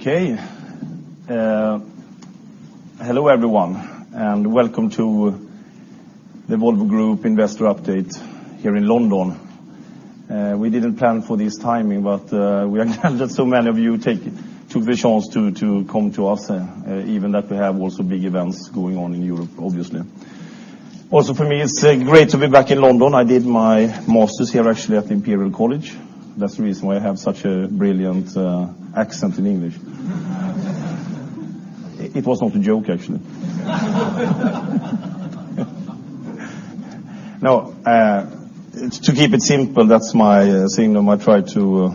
Hello, everyone, and welcome to the Volvo Group Investor Update here in London. We didn't plan for this timing, but we are glad that so many of you took the chance to come to us, even that we have also big events going on in Europe, obviously. Also, for me, it's great to be back in London. I did my master's here, actually, at Imperial College London. That's the reason why I have such a brilliant accent in English. It was not a joke, actually. No, to keep it simple, that's my thing. I try to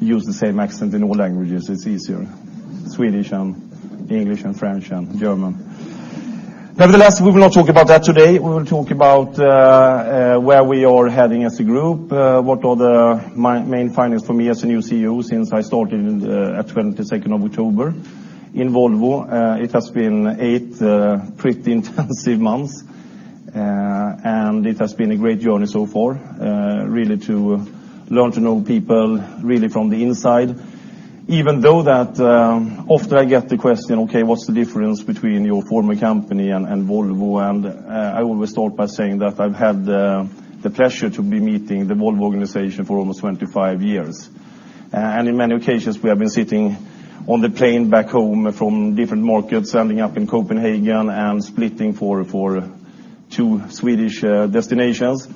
use the same accent in all languages. It's easier. Swedish and English and French and German. Nevertheless, we will not talk about that today. We will talk about where we are heading as a group, what are the main findings for me as a new CEO since I started at 22nd of October in Volvo. It has been eight pretty intensive months, and it has been a great journey so far, really to learn to know people really from the inside. Even though that often I get the question, okay, what's the difference between your former company and Volvo? I always start by saying that I've had the pleasure to be meeting the Volvo organization for almost 25 years. In many occasions, we have been sitting on the plane back home from different markets, ending up in Copenhagen and splitting for two Swedish destinations.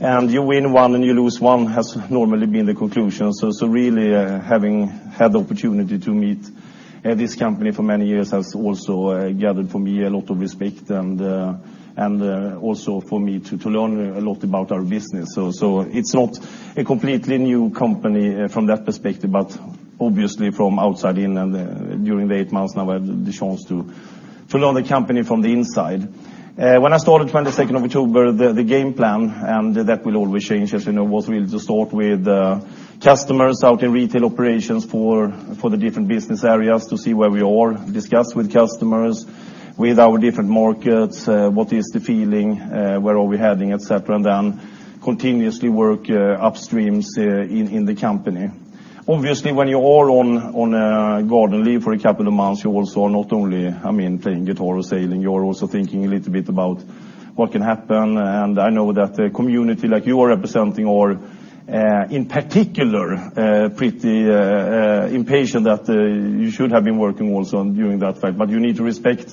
You win one and you lose one has normally been the conclusion. Really, having had the opportunity to meet this company for many years has also gathered for me a lot of respect and also for me to learn a lot about our business. It's not a completely new company from that perspective, but obviously from outside in and during the eight months now, I had the chance to learn the company from the inside. When I started 22nd of October, the game plan, and that will always change, as you know, was really to start with customers out in retail operations for the different business areas to see where we are. Discuss with customers, with our different markets, what is the feeling, where are we heading, et cetera, continuously work upstreams in the company. Obviously, when you are on garden leave for a couple of months, you also are not only playing guitar or sailing, you are also thinking a little bit about what can happen. I know that a community like you are representing or, in particular, pretty impatient that you should have been working also during that time, but you need to respect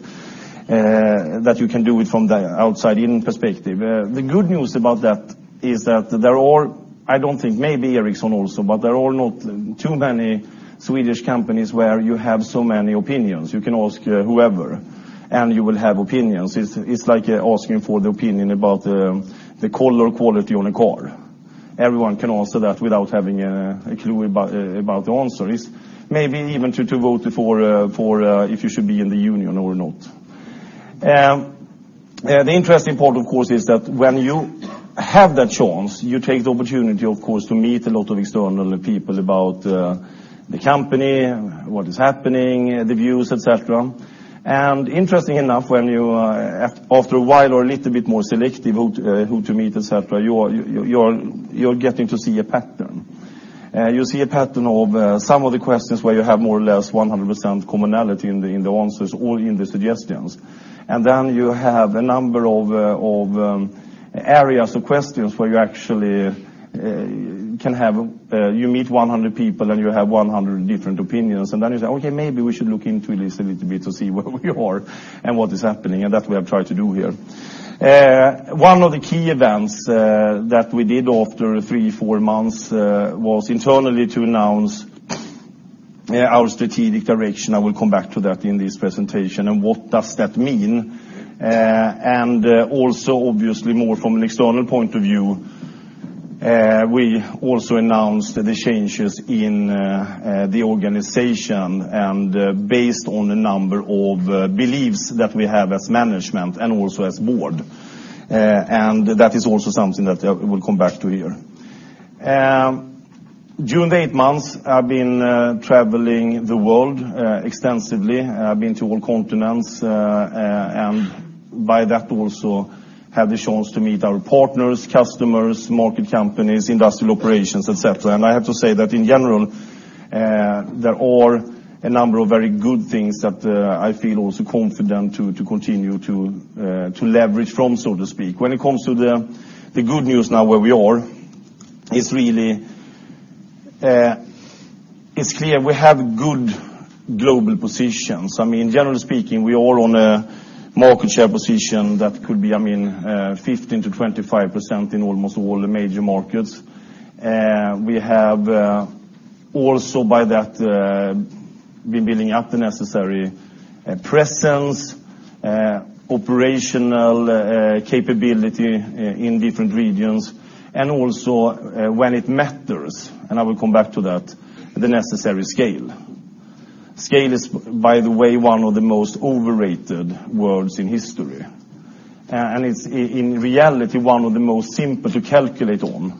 that you can do it from the outside in perspective. The good news about that is that there are, I don't think, maybe Ericsson also, but there are not too many Swedish companies where you have so many opinions. You can ask whoever, and you will have opinions. It's like asking for the opinion about the color or quality on a car. Everyone can answer that without having a clue about the answer. It's maybe even to vote for if you should be in the union or not. The interesting part, of course, is that when you have that chance, you take the opportunity, of course, to meet a lot of external people about the company, what is happening, the views, et cetera. Interesting enough, when you after a while are a little bit more selective who to meet, et cetera, you're getting to see a pattern. You see a pattern of some of the questions where you have more or less 100% commonality in the answers or in the suggestions. Then you have a number of areas or questions where you actually meet 100 people and you have 100 different opinions. Then you say, "Okay, maybe we should look into this a little bit to see where we are and what is happening." That we have tried to do here. One of the key events that we did after three, four months was internally to announce our strategic direction. I will come back to that in this presentation, and what does that mean. Also obviously more from an external point of view, we also announced the changes in the organization and based on a number of beliefs that we have as management and also as board. That is also something that I will come back to here. During the 8 months, I've been traveling the world extensively. I've been to all continents, and by that also had the chance to meet our partners, customers, market companies, industrial operations, et cetera. I have to say that in general, there are a number of very good things that I feel also confident to continue to leverage from, so to speak. When it comes to the good news now where we are, it's clear we have good global positions. I mean, generally speaking, we are on a market share position that could be 15%-25% in almost all the major markets. We have also by that been building up the necessary presence, operational capability in different regions, and also when it matters, and I will come back to that, the necessary scale. Scale is, by the way, one of the most overrated words in history. It's in reality, one of the most simple to calculate on,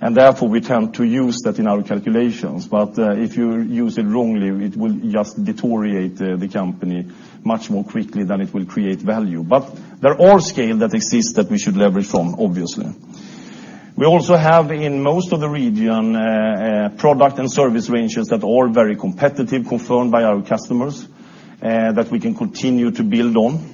and therefore we tend to use that in our calculations. If you use it wrongly, it will just deteriorate the company much more quickly than it will create value. There are scale that exists that we should leverage from, obviously. We also have, in most of the region, product and service ranges that are all very competitive, confirmed by our customers, that we can continue to build on.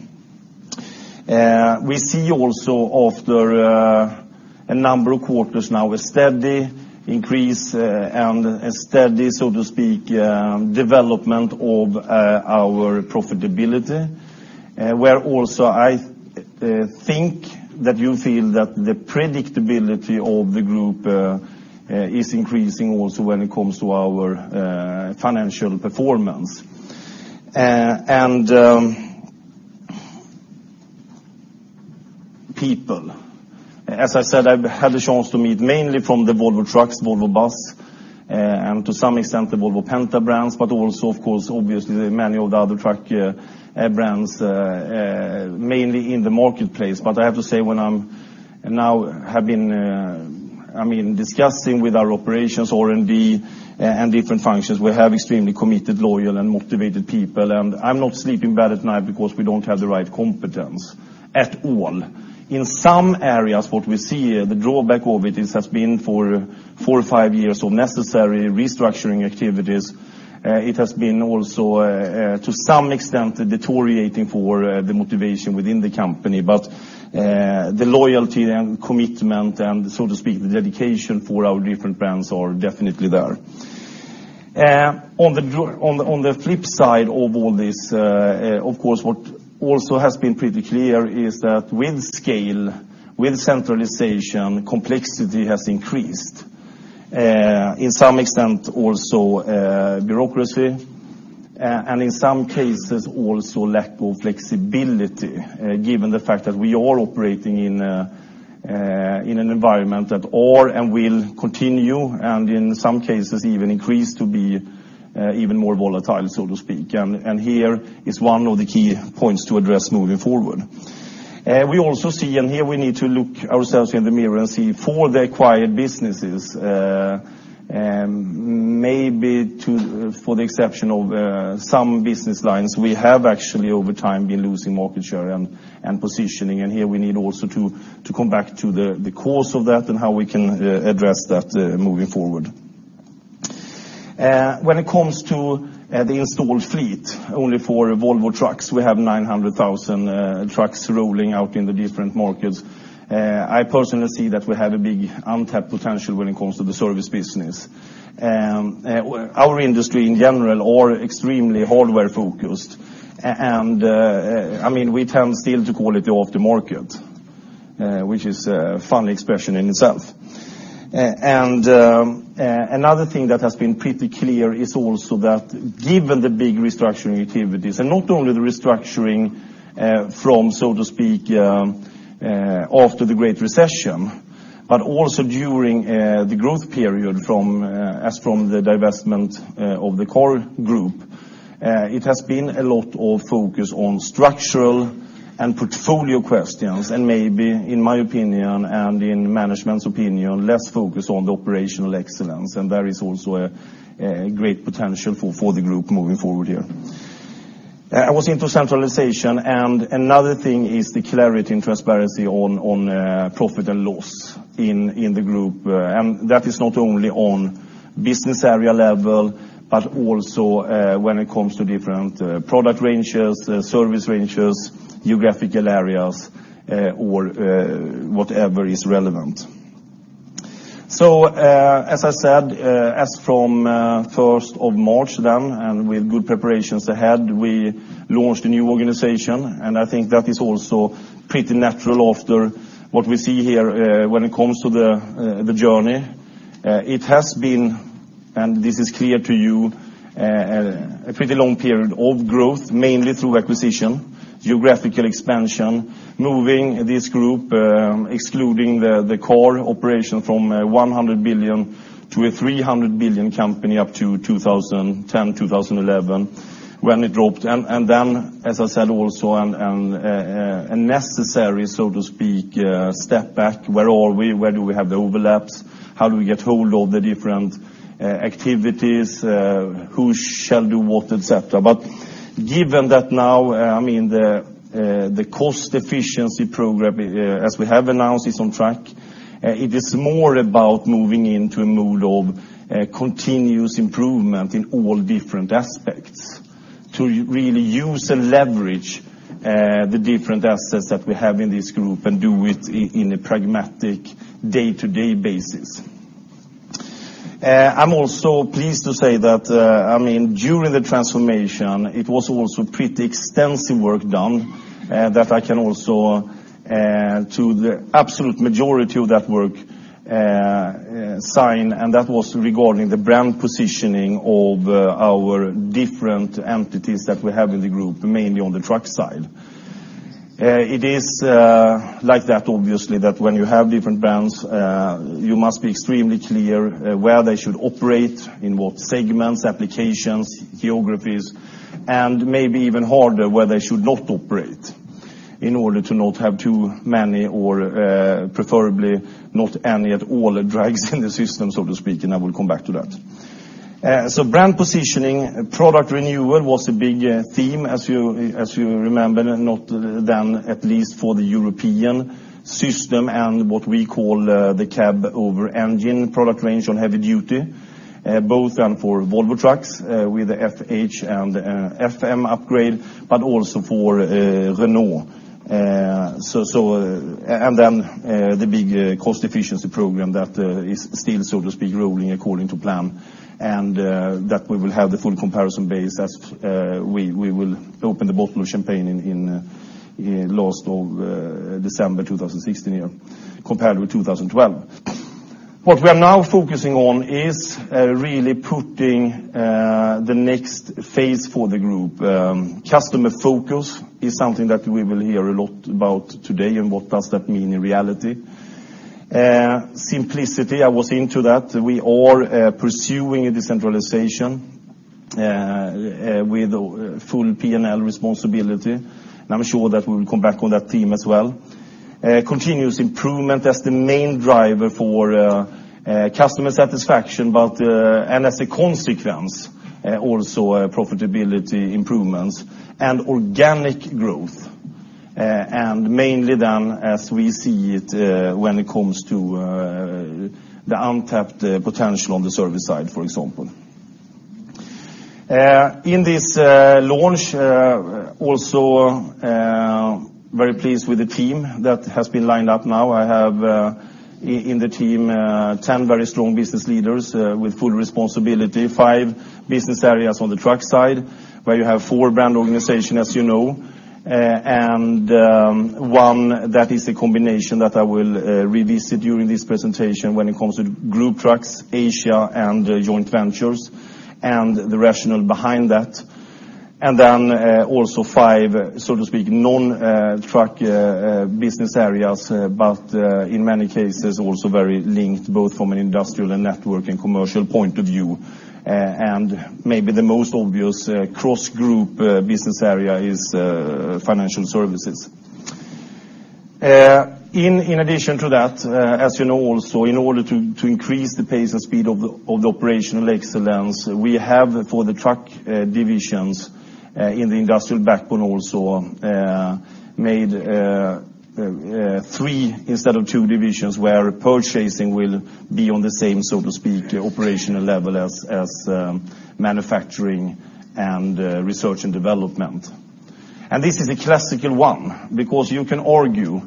We see also after a number of quarters now, a steady increase and a steady, so to speak, development of our profitability, where also I think that you feel that the predictability of the group is increasing also when it comes to our financial performance. People. As I said, I've had a chance to meet mainly from the Volvo Trucks, Volvo Bus, and to some extent the Volvo Penta brands, but also of course, obviously many of the other truck brands, mainly in the marketplace. I have to say, when I now have been discussing with our operations, R&D, and different functions, we have extremely committed, loyal, and motivated people. I'm not sleeping bad at night because we don't have the right competence at all. In some areas, what we see, the drawback of it has been for four or five years of necessary restructuring activities. It has been also, to some extent, deteriorating for the motivation within the company. The loyalty and commitment and, so to speak, the dedication for our different brands are definitely there. On the flip side of all this, of course, what also has been pretty clear is that with scale, with centralization, complexity has increased. In some extent also bureaucracy, and in some cases also lack of flexibility, given the fact that we are operating in an environment that are and will continue, and in some cases even increase to be even more volatile, so to speak. Here is one of the key points to address moving forward. We also see, here we need to look ourselves in the mirror and see, for the acquired businesses, maybe for the exception of some business lines, we have actually over time been losing market share and positioning. Here we need also to come back to the cause of that and how we can address that moving forward. When it comes to the installed fleet, only for Volvo Trucks, we have 900,000 trucks rolling out in the different markets. I personally see that we have a big untapped potential when it comes to the service business. Our industry in general are extremely hardware focused. We tend still to call it the after market, which is a funny expression in itself. Another thing that has been pretty clear is also that given the big restructuring activities, not only the restructuring from, so to speak, after the Great Recession, but also during the growth period as from the divestment of the car group, it has been a lot of focus on structural and portfolio questions, and maybe, in my opinion and in management's opinion, less focus on the operational excellence. There is also a great potential for the group moving forward here. I was into centralization, and another thing is the clarity and transparency on profit and loss in the group. That is not only on business area level, but also when it comes to different product ranges, service ranges, geographical areas, or whatever is relevant. As I said, as from 1st of March then, with good preparations ahead, we launched a new organization, I think that is also pretty natural after what we see here when it comes to the journey. It has been, this is clear to you, a pretty long period of growth, mainly through acquisition, geographical expansion, moving this group, excluding the core operation from a 100 billion to a 300 billion company up to 2010, 2011, when it dropped. Then, as I said, also a necessary, so to speak, step back. Where are we? Where do we have the overlaps? How do we get hold of the different activities? Who shall do what, et cetera. Given that now, the cost efficiency program, as we have announced, is on track, it is more about moving into a mood of continuous improvement in all different aspects to really use and leverage the different assets that we have in this group and do it in a pragmatic day-to-day basis. I'm also pleased to say that during the transformation, it was also pretty extensive work done that I can also, to the absolute majority of that work, sign, and that was regarding the brand positioning of our different entities that we have in the group, mainly on the truck side. It is like that, obviously, that when you have different brands, you must be extremely clear where they should operate, in what segments, applications, geographies, and maybe even harder, where they should not operate in order to not have too many or preferably not any at all drags in the system, so to speak, and I will come back to that. Brand positioning, product renewal was a big theme, as you remember, not then at least for the European system and what we call the cab over engine product range on heavy duty, both done for Volvo Trucks with the FH and FM upgrade, but also for Renault. The big cost efficiency program that is still, so to speak, rolling according to plan, and that we will have the full comparison base as we will open the bottle of champagne in last of December 2016 compared with 2012. What we are now focusing on is really putting the next phase for the group. Customer focus is something that we will hear a lot about today and what does that mean in reality. Simplicity, I was into that. We are pursuing a decentralization with full P&L responsibility, and I'm sure that we will come back on that theme as well. Continuous improvement as the main driver for customer satisfaction and as a consequence, also profitability improvements and organic growth, and mainly then as we see it when it comes to the untapped potential on the service side, for example. In this launch, also very pleased with the team that has been lined up now. I have in the team 10 very strong business leaders with full responsibility, five business areas on the truck side, where you have four brand organization, as you know. One that is a combination that I will revisit during this presentation when it comes to Group Trucks Asia and Joint Ventures and the rationale behind that. Also five, so to speak, non-truck business areas, but in many cases, also very linked both from an industrial and network and commercial point of view. And maybe the most obvious cross-group business area is Financial Services. In addition to that, as you know, in order to increase the pace and speed of the operational excellence we have for the truck divisions in the industrial backbone also made three instead of two divisions where purchasing will be on the same, so to speak, operational level as manufacturing and research and development. This is a classical one because you can argue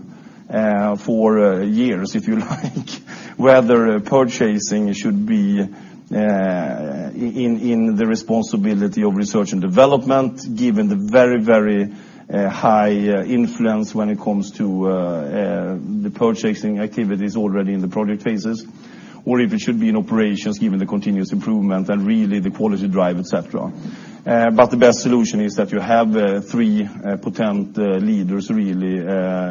for years, if you like, whether purchasing should be in the responsibility of research and development given the very high influence when it comes to the purchasing activities already in the project phases or if it should be in operations given the continuous improvement and really the quality drive, et cetera. The best solution is that you have three potent leaders really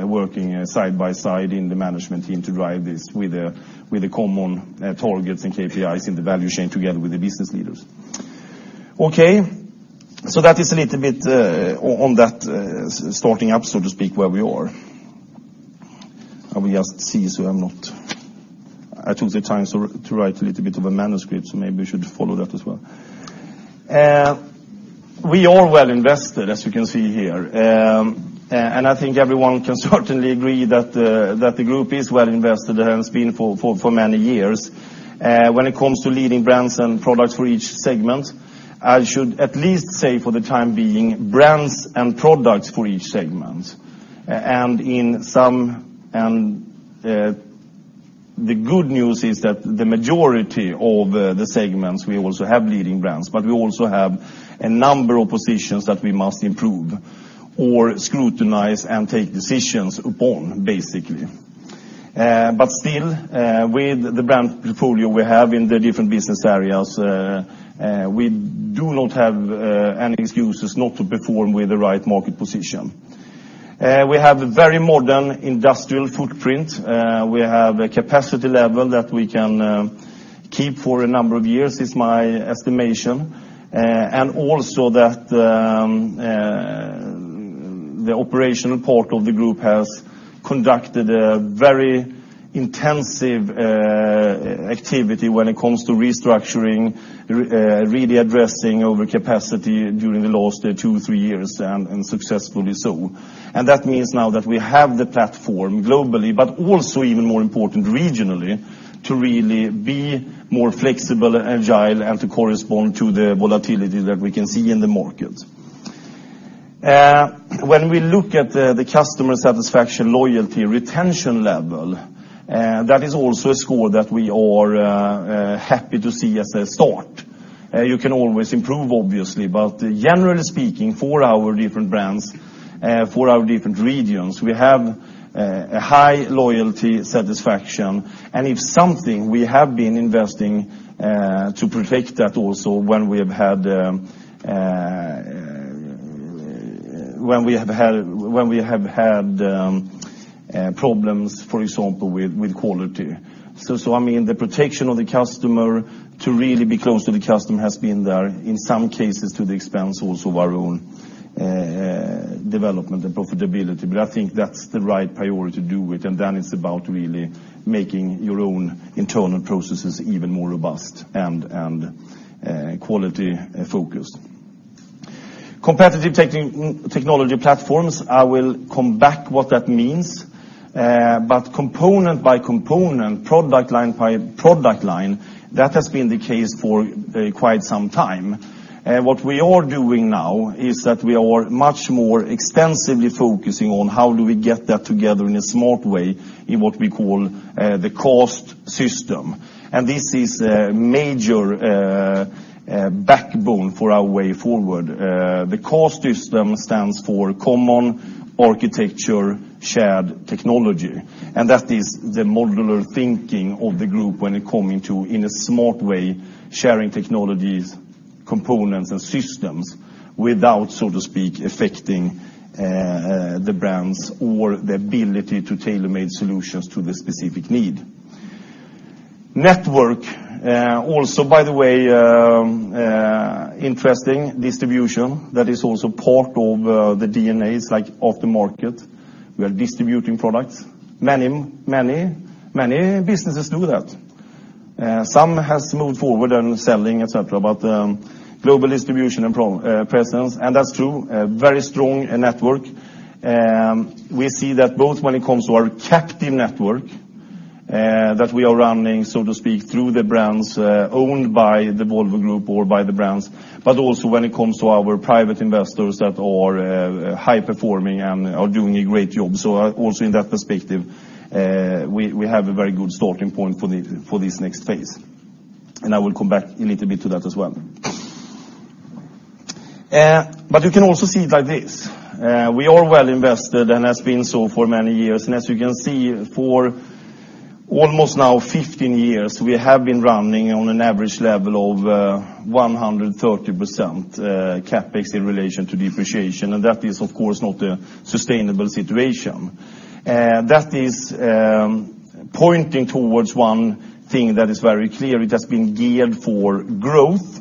working side by side in the management team to drive this with the common targets and KPIs in the value chain together with the business leaders. Okay. That is a little bit on that starting up, so to speak, where we are. I took the time to write a little bit of a manuscript, so maybe we should follow that as well. We are well invested, as you can see here. I think everyone can certainly agree that the group is well invested and has been for many years. When it comes to leading brands and products for each segment, I should at least say for the time being, brands and products for each segment. The good news is that the majority of the segments we also have leading brands, but we also have a number of positions that we must improve or scrutinize and take decisions upon, basically. Still, with the brand portfolio we have in the different business areas, we do not have any excuses not to perform with the right market position. We have a very modern industrial footprint. We have a capacity level that we can keep for a number of years is my estimation, and also that the operational part of the group has conducted a very intensive activity when it comes to restructuring, really addressing overcapacity during the last two, three years and successfully so. That means now that we have the platform globally, but also even more important regionally to really be more flexible and agile and to correspond to the volatility that we can see in the market. When we look at the customer satisfaction loyalty retention level, that is also a score that we are happy to see as a start. You can always improve obviously, but generally speaking for our different brands, for our different regions, we have a high loyalty satisfaction and if something we have been investing to protect that also when we have had problems, for example, with quality. The protection of the customer, to really be close to the customer, has been there in some cases to the expense also of our own development and profitability. I think that's the right priority to do it. It's about really making your own internal processes even more robust and quality-focused. Competitive technology platforms, I will come back what that means. Component by component, product line by product line, that has been the case for quite some time. What we are doing now is that we are much more extensively focusing on how do we get that together in a smart way, in what we call the CAST system. This is a major backbone for our way forward. The CAST system stands for Common Architecture Shared Technology, and that is the modular thinking of the group when it come into, in a smart way, sharing technologies, components, and systems without so to speak, affecting the brands or the ability to tailor-make solutions to the specific need. Network. By the way, interesting distribution that is also part of the DNA is like aftermarket. We are distributing products. Many businesses do that. Some has moved forward in selling, et cetera, but global distribution and presence, and that's true, a very strong network. We see that both when it comes to our captive network that we are running, so to speak, through the brands, owned by the Volvo Group or by the brands. Also when it comes to our private investors that are high-performing and are doing a great job. Also in that perspective, we have a very good starting point for this next phase. I will come back a little bit to that as well. You can also see it like this. We are well-invested, and has been so for many years. As you can see, for almost now 15 years, we have been running on an average level of 130% CapEx in relation to depreciation. That is, of course, not a sustainable situation. That is pointing towards one thing that is very clear. It has been geared for growth,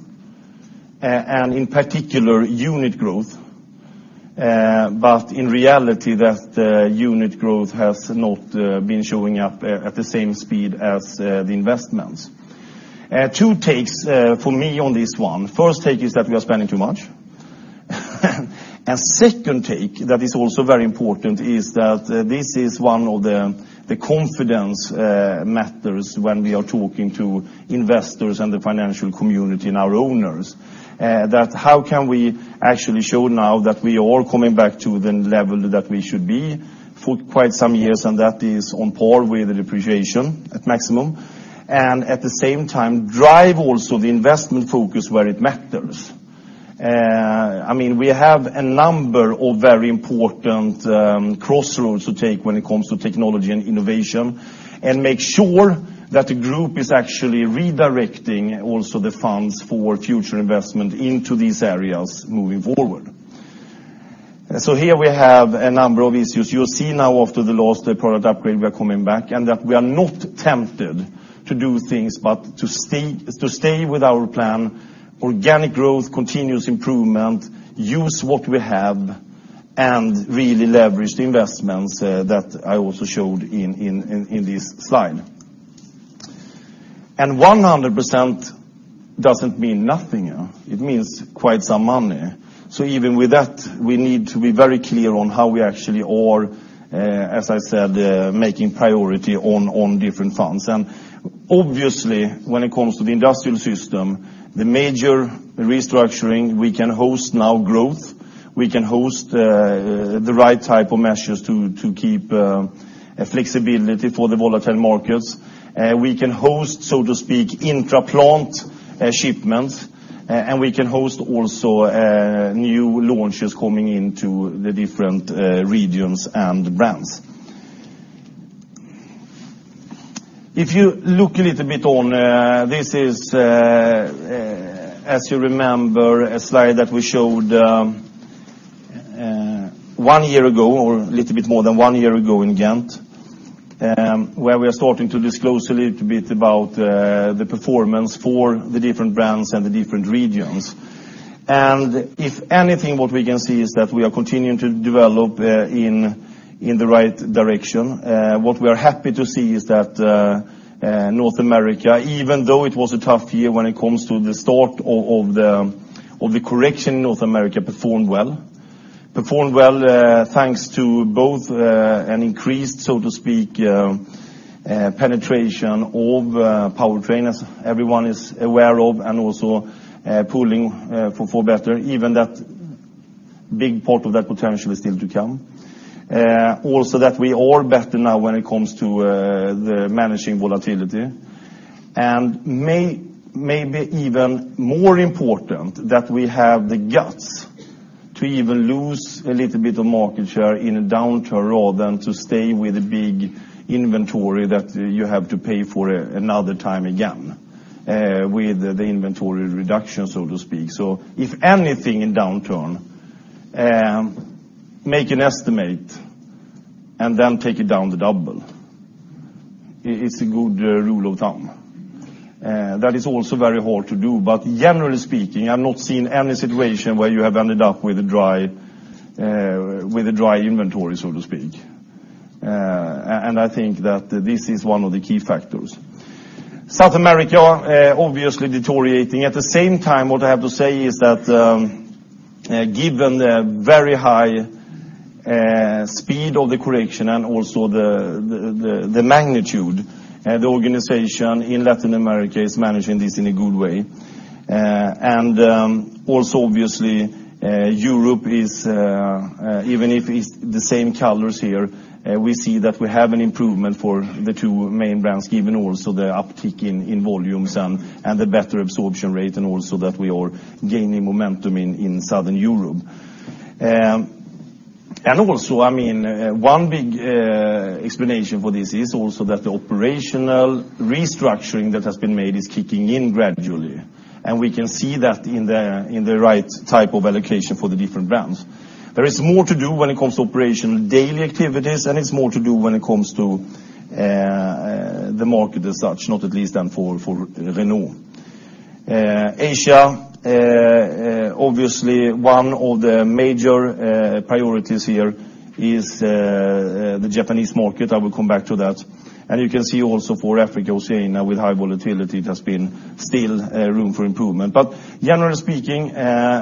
and in particular, unit growth. In reality, that unit growth has not been showing up at the same speed as the investments. Two takes for me on this one. First take is that we are spending too much. Second take that is also very important is that this is one of the confidence matters when we are talking to investors and the financial community and our owners. How can we actually show now that we are coming back to the level that we should be for quite some years, and that is on par with the depreciation at maximum. At the same time, drive also the investment focus where it matters. We have a number of very important crossroads to take when it comes to technology and innovation and make sure that the group is actually redirecting also the funds for future investment into these areas moving forward. Here we have a number of issues. You see now after the last product upgrade, we are coming back, and that we are not tempted to do things but to stay with our plan, organic growth, continuous improvement, use what we have, and really leverage the investments that I also showed in this slide. 100% doesn't mean nothing. It means quite some money. Even with that, we need to be very clear on how we actually are, as I said, making priority on different funds. Obviously, when it comes to the industrial system, the major restructuring we can host now growth. We can host the right type of measures to keep flexibility for the volatile markets. We can host, so to speak, intra-plant shipments, and we can host also new launches coming into the different regions and brands. If you look a little bit on, this is, as you remember, a slide that we showed one year ago, or a little bit more than one year ago in Ghent, where we are starting to disclose a little bit about the performance for the different brands and the different regions. If anything, what we can see is that we are continuing to develop in the right direction. What we are happy to see is that North America, even though it was a tough year when it comes to the start of the correction, North America performed well. Performed well thanks to both an increased, so to speak, penetration of powertrains everyone is aware of, and also pulling for better, even that big part of that potential is still to come. Also that we are better now when it comes to the managing volatility. Maybe even more important that we have the guts to even lose a little bit of market share in a downturn rather than to stay with a big inventory that you have to pay for another time again. With the inventory reduction, so to speak. If anything in downturn, make an estimate and then take it down the double. It's a good rule of thumb. That is also very hard to do, but generally speaking, I've not seen any situation where you have ended up with a dry inventory, so to speak. I think that this is one of the key factors. South America, obviously deteriorating. At the same time, what I have to say is that given the very high speed of the correction and also the magnitude, the organization in Latin America is managing this in a good way. Also obviously, Europe is, even if it's the same colors here, we see that we have an improvement for the two main brands given also the uptick in volumes and the better absorption rate and also that we are gaining momentum in Southern Europe. Also, one big explanation for this is also that the operational restructuring that has been made is kicking in gradually, and we can see that in the right type of allocation for the different brands. There is more to do when it comes to operational daily activities, and it's more to do when it comes to the market as such, not at least than for Renault. Asia, obviously one of the major priorities here is the Japanese market. I will come back to that. You can see also for Africa, Oceania, with high volatility, there has been still room for improvement. Generally speaking,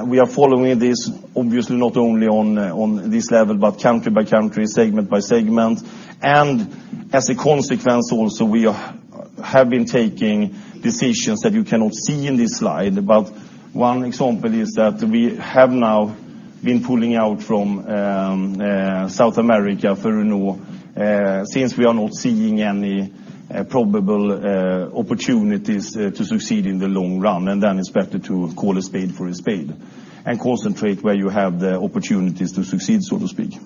we are following this obviously not only on this level, but country by country, segment by segment. As a consequence also, we have been taking decisions that you cannot see in this slide. One example is that we have now been pulling out from South America for Renault, since we are not seeing any probable opportunities to succeed in the long run. Then it's better to call a spade for a spade and concentrate where you have the opportunities to succeed, so to speak.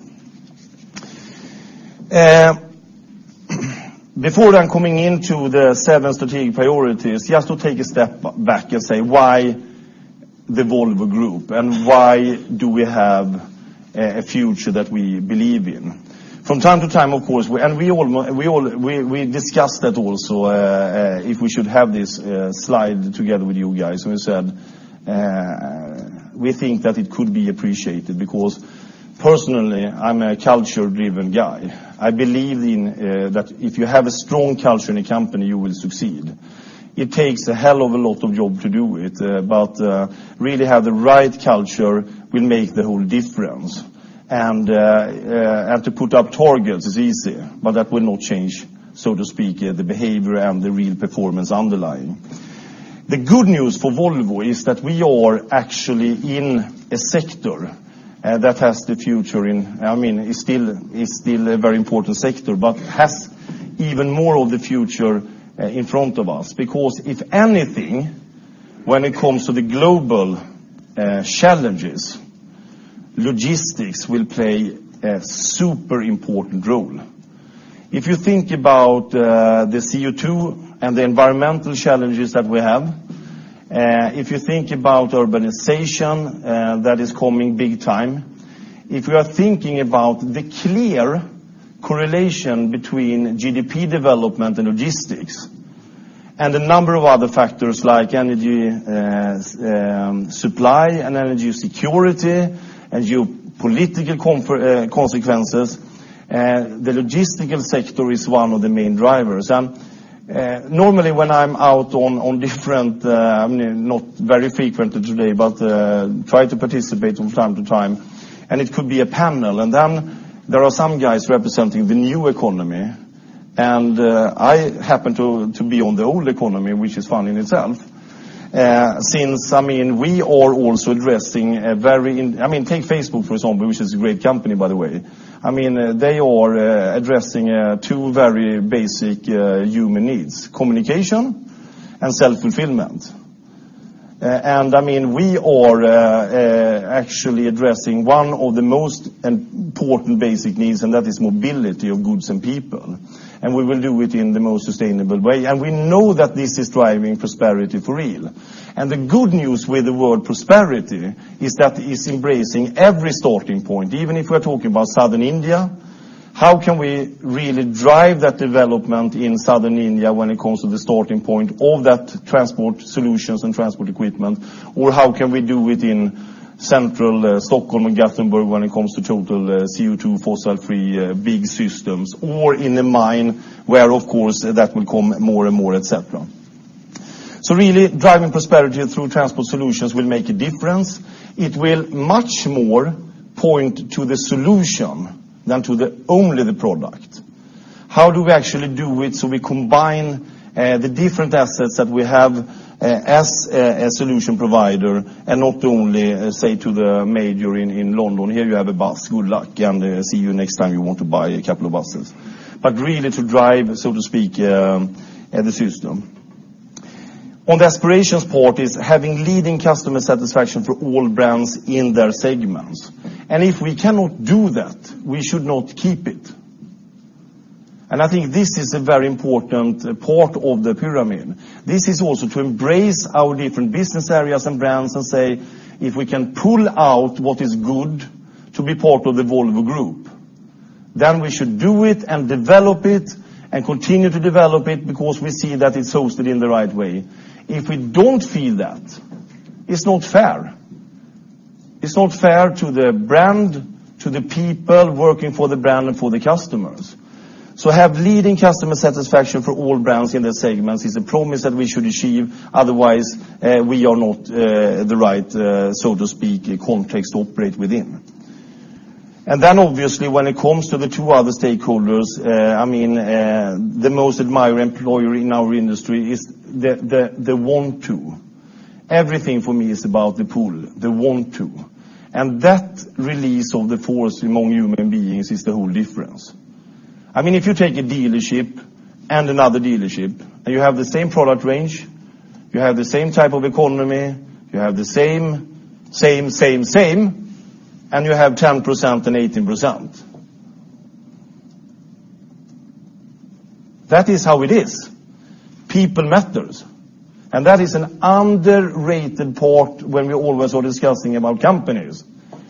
Before then coming into the seven strategic priorities, just to take a step back and say, why the Volvo Group? Why do we have a future that we believe in? From time to time, of course, we discuss that also, if we should have this slide together with you guys. We said, we think that it could be appreciated because personally, I'm a culture-driven guy. I believe that if you have a strong culture in a company, you will succeed. It takes a hell of a lot of job to do it, but to really have the right culture will make the whole difference. To put up targets is easy, but that will not change, so to speak, the behavior and the real performance underlying. The good news for Volvo is that we are actually in a sector that has the future. Is still a very important sector, but has even more of the future in front of us. If anything, when it comes to the global challenges, logistics will play a super important role. If you think about the CO2 and the environmental challenges that we have, if you think about urbanization that is coming big time, if you are thinking about the clear correlation between GDP development and logistics and a number of other factors like energy supply and energy security and geopolitical consequences, the logistical sector is one of the main drivers. Normally when I'm out on different, not very frequently today, but try to participate from time to time, it could be a panel. Then there are some guys representing the new economy. I happen to be on the old economy, which is fun in itself. Since we are also addressing a very. Take Facebook, for example, which is a great company, by the way. They are addressing two very basic human needs, communication and self-fulfillment. We are actually addressing one of the most important basic needs, and that is mobility of goods and people. We will do it in the most sustainable way. We know that this is driving prosperity for real. The good news with the word prosperity is that it's embracing every starting point. Even if we're talking about Southern India, how can we really drive that development in Southern India when it comes to the starting point of that transport solutions and transport equipment? Or how can we do it in central Stockholm and Gothenburg when it comes to total CO2 fossil free big systems? Or in a mine where, of course, that will come more and more, et cetera. Really, driving prosperity through transport solutions will make a difference. It will much more point to the solution than to only the product. How do we actually do it, we combine the different assets that we have as a solution provider and not only say to the major in London, "Here you have a bus, good luck, and see you next time you want to buy a couple of buses." Really to drive, so to speak, the system. On the aspirations part is having leading customer satisfaction for all brands in their segments. If we cannot do that, we should not keep it. I think this is a very important part of the pyramid. This is also to embrace our different business areas and brands and say, if we can pull out what is good to be part of the Volvo Group, then we should do it and develop it, and continue to develop it because we see that it's hosted in the right way. If we don't feel that, it's not fair. It's not fair to the brand, to the people working for the brand, and for the customers. To have leading customer satisfaction for all brands in their segments is a promise that we should achieve. Otherwise, we are not the right, so to speak, context to operate within. Obviously when it comes to the two other stakeholders, the most admired employer in our industry is the want to. Everything for me is about the pull, the want to. That release of the force among human beings is the whole difference. If you take a dealership and another dealership, you have the same product range, the same type of economy, the same, and you have 10% and 18%. That is how it is. People matters. That is an underrated part when we always are discussing about companies.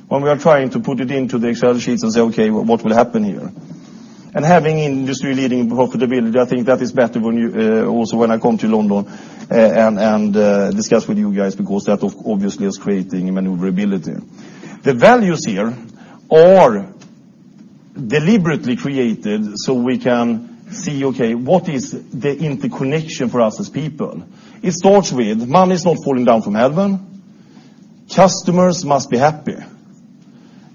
When we are trying to put it into the Excel sheets and say, "Okay, what will happen here?" Having industry-leading profitability, I think that is better also when I come to London and discuss with you guys because that obviously is creating maneuverability. The values here are deliberately created so we can see, okay, what is the interconnection for us as people? It starts with money is not falling down from heaven. Customers must be happy.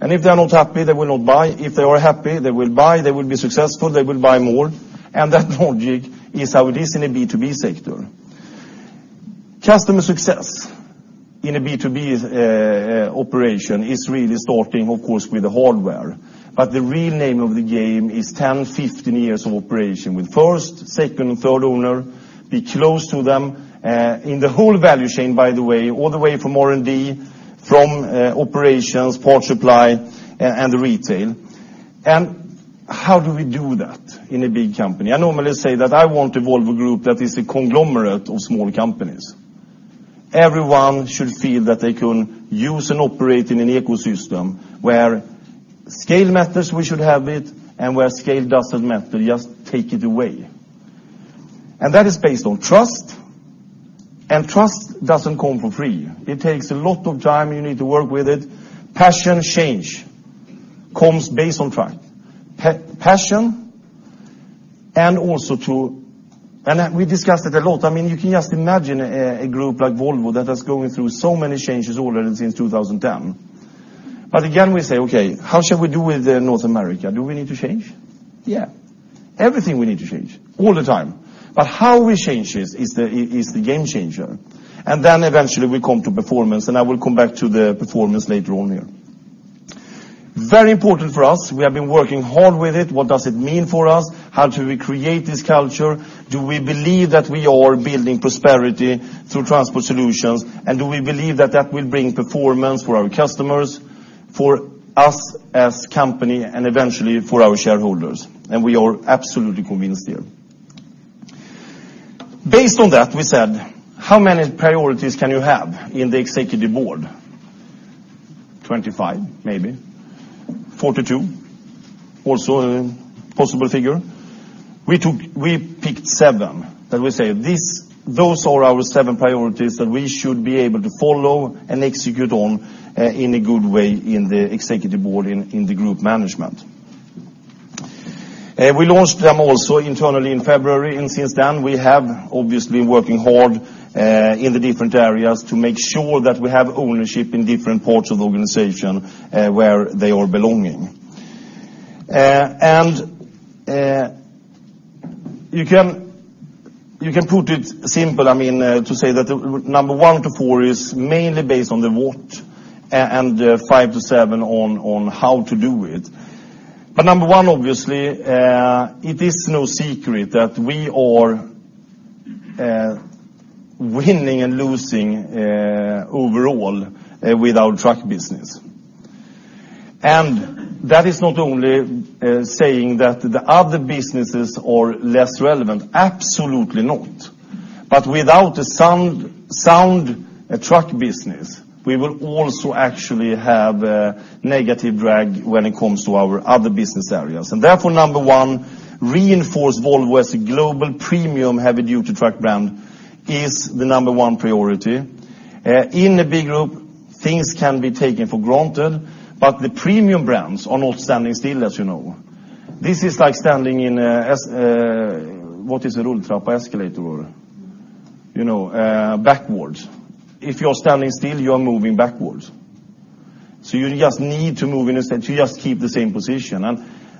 If they are not happy, they will not buy. If they are happy, they will buy, they will be successful, they will buy more. That logic is how it is in a B2B sector. Customer success in a B2B operation is really starting, of course, with the hardware. The real name of the game is 10, 15 years of operation with first, second, and third owner. Be close to them in the whole value chain, by the way, all the way from R&D, from operations, parts supply, and the retail. How do we do that in a big company? I normally say that I want a Volvo Group that is a conglomerate of small companies. Everyone should feel that they can use and operate in an ecosystem where scale matters we should have it, and where scale doesn't matter, just take it away. That is based on trust. Trust doesn't come for free. It takes a lot of time. You need to work with it. Passion change comes based on trust. Passion. We discussed it a lot. You can just imagine a group like Volvo that is going through so many changes already since 2010. Again, we say, "Okay, how shall we do with North America? Do we need to change?" Yeah. Everything we need to change all the time. But how we change is the game changer. Eventually we come to performance, and I will come back to the performance later on here. Very important for us. We have been working hard with it. What does it mean for us? How do we create this culture? Do we believe that we are building prosperity through transport solutions? Do we believe that that will bring performance for our customers, for us as company, and eventually for our shareholders? We are absolutely convinced here. Based on that, we said, how many priorities can you have in the Executive Board? 25, maybe. 42, also a possible figure. We picked seven that we say, those are our seven priorities that we should be able to follow and execute on in a good way in the Executive Board in the Group Management. We launched them also internally in February, and since then we have obviously been working hard in the different areas to make sure that we have ownership in different parts of the organization where they are belonging. You can put it simple to say that number 1 to 4 is mainly based on the what and 5 to 7 on how to do it. Number 1, obviously, it is no secret that we are winning and losing overall with our truck business. That is not only saying that the other businesses are less relevant. Absolutely not. Without a sound truck business, we will also actually have a negative drag when it comes to our other business areas. Therefore, number 1, reinforce Volvo as a global premium heavy-duty truck brand is the number 1 priority. In a big group, things can be taken for granted, but the premium brands are not standing still, as you know. This is like standing in, what is it? Escalator backwards. If you're standing still, you're moving backwards. You just need to move in a sense to just keep the same position.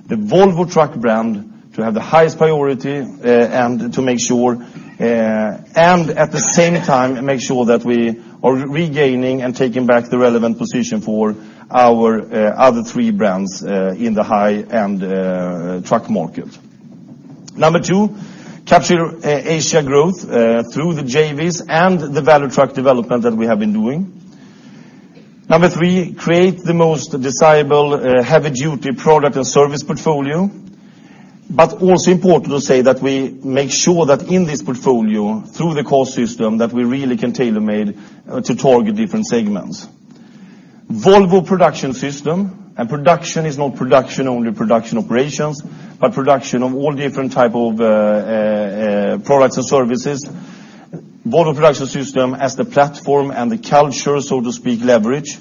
The Volvo truck brand to have the highest priority and to make sure, and at the same time, make sure that we are regaining and taking back the relevant position for our other three brands in the high-end truck market. Number 2, capture Asia growth through the JVs and the value truck development that we have been doing. Number 3, create the most desirable heavy-duty product and service portfolio. Also important to say that we make sure that in this portfolio, through the core system, that we really can tailor-made to target different segments. Volvo Production System and production is not production, only production operations, but production of all different type of products and services. Volvo Production System as the platform and the culture, so to speak, leverage.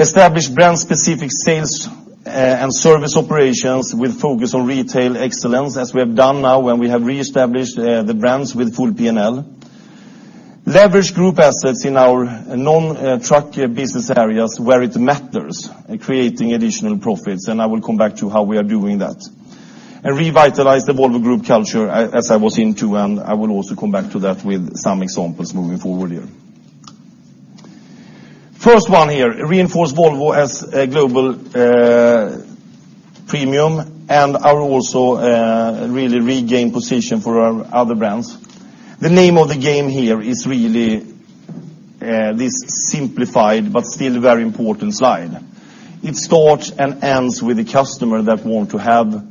Establish brand-specific sales and service operations with focus on retail excellence as we have done now when we have re-established the brands with full P&L. Leverage group assets in our non-truck business areas where it matters, creating additional profits, I will come back to how we are doing that. Revitalize the Volvo Group culture as I was into, and I will also come back to that with some examples moving forward here. First one here, reinforce Volvo as a global premium and are also really regain position for our other brands. The name of the game here is really this simplified but still very important slide. It starts and ends with a customer that want to have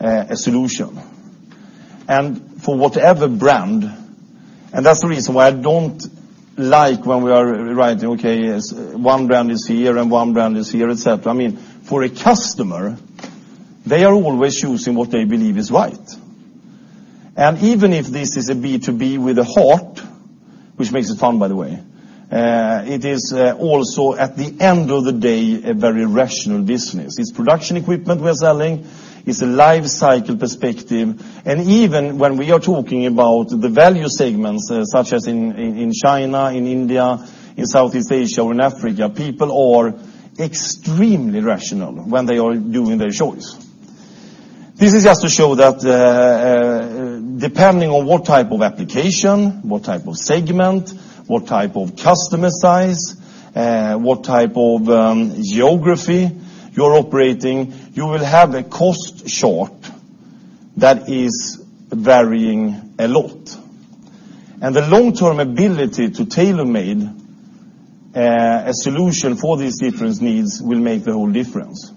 a solution. For whatever brand, and that's the reason why I don't like when we are writing, okay, one brand is here and one brand is here, et cetera. For a customer, they are always choosing what they believe is right. Even if this is a B2B with a heart, which makes it fun, by the way, it is also, at the end of the day, a very rational business. It's production equipment we're selling, it's a life cycle perspective, even when we are talking about the value segments, such as in China, in India, in Southeast Asia or in Africa, people are extremely rational when they are doing their choice. This is just to show that depending on what type of application, what type of segment, what type of customer size, what type of geography you're operating, you will have a cost short that is varying a lot. The long-term ability to tailor-made a solution for these different needs will make the whole difference.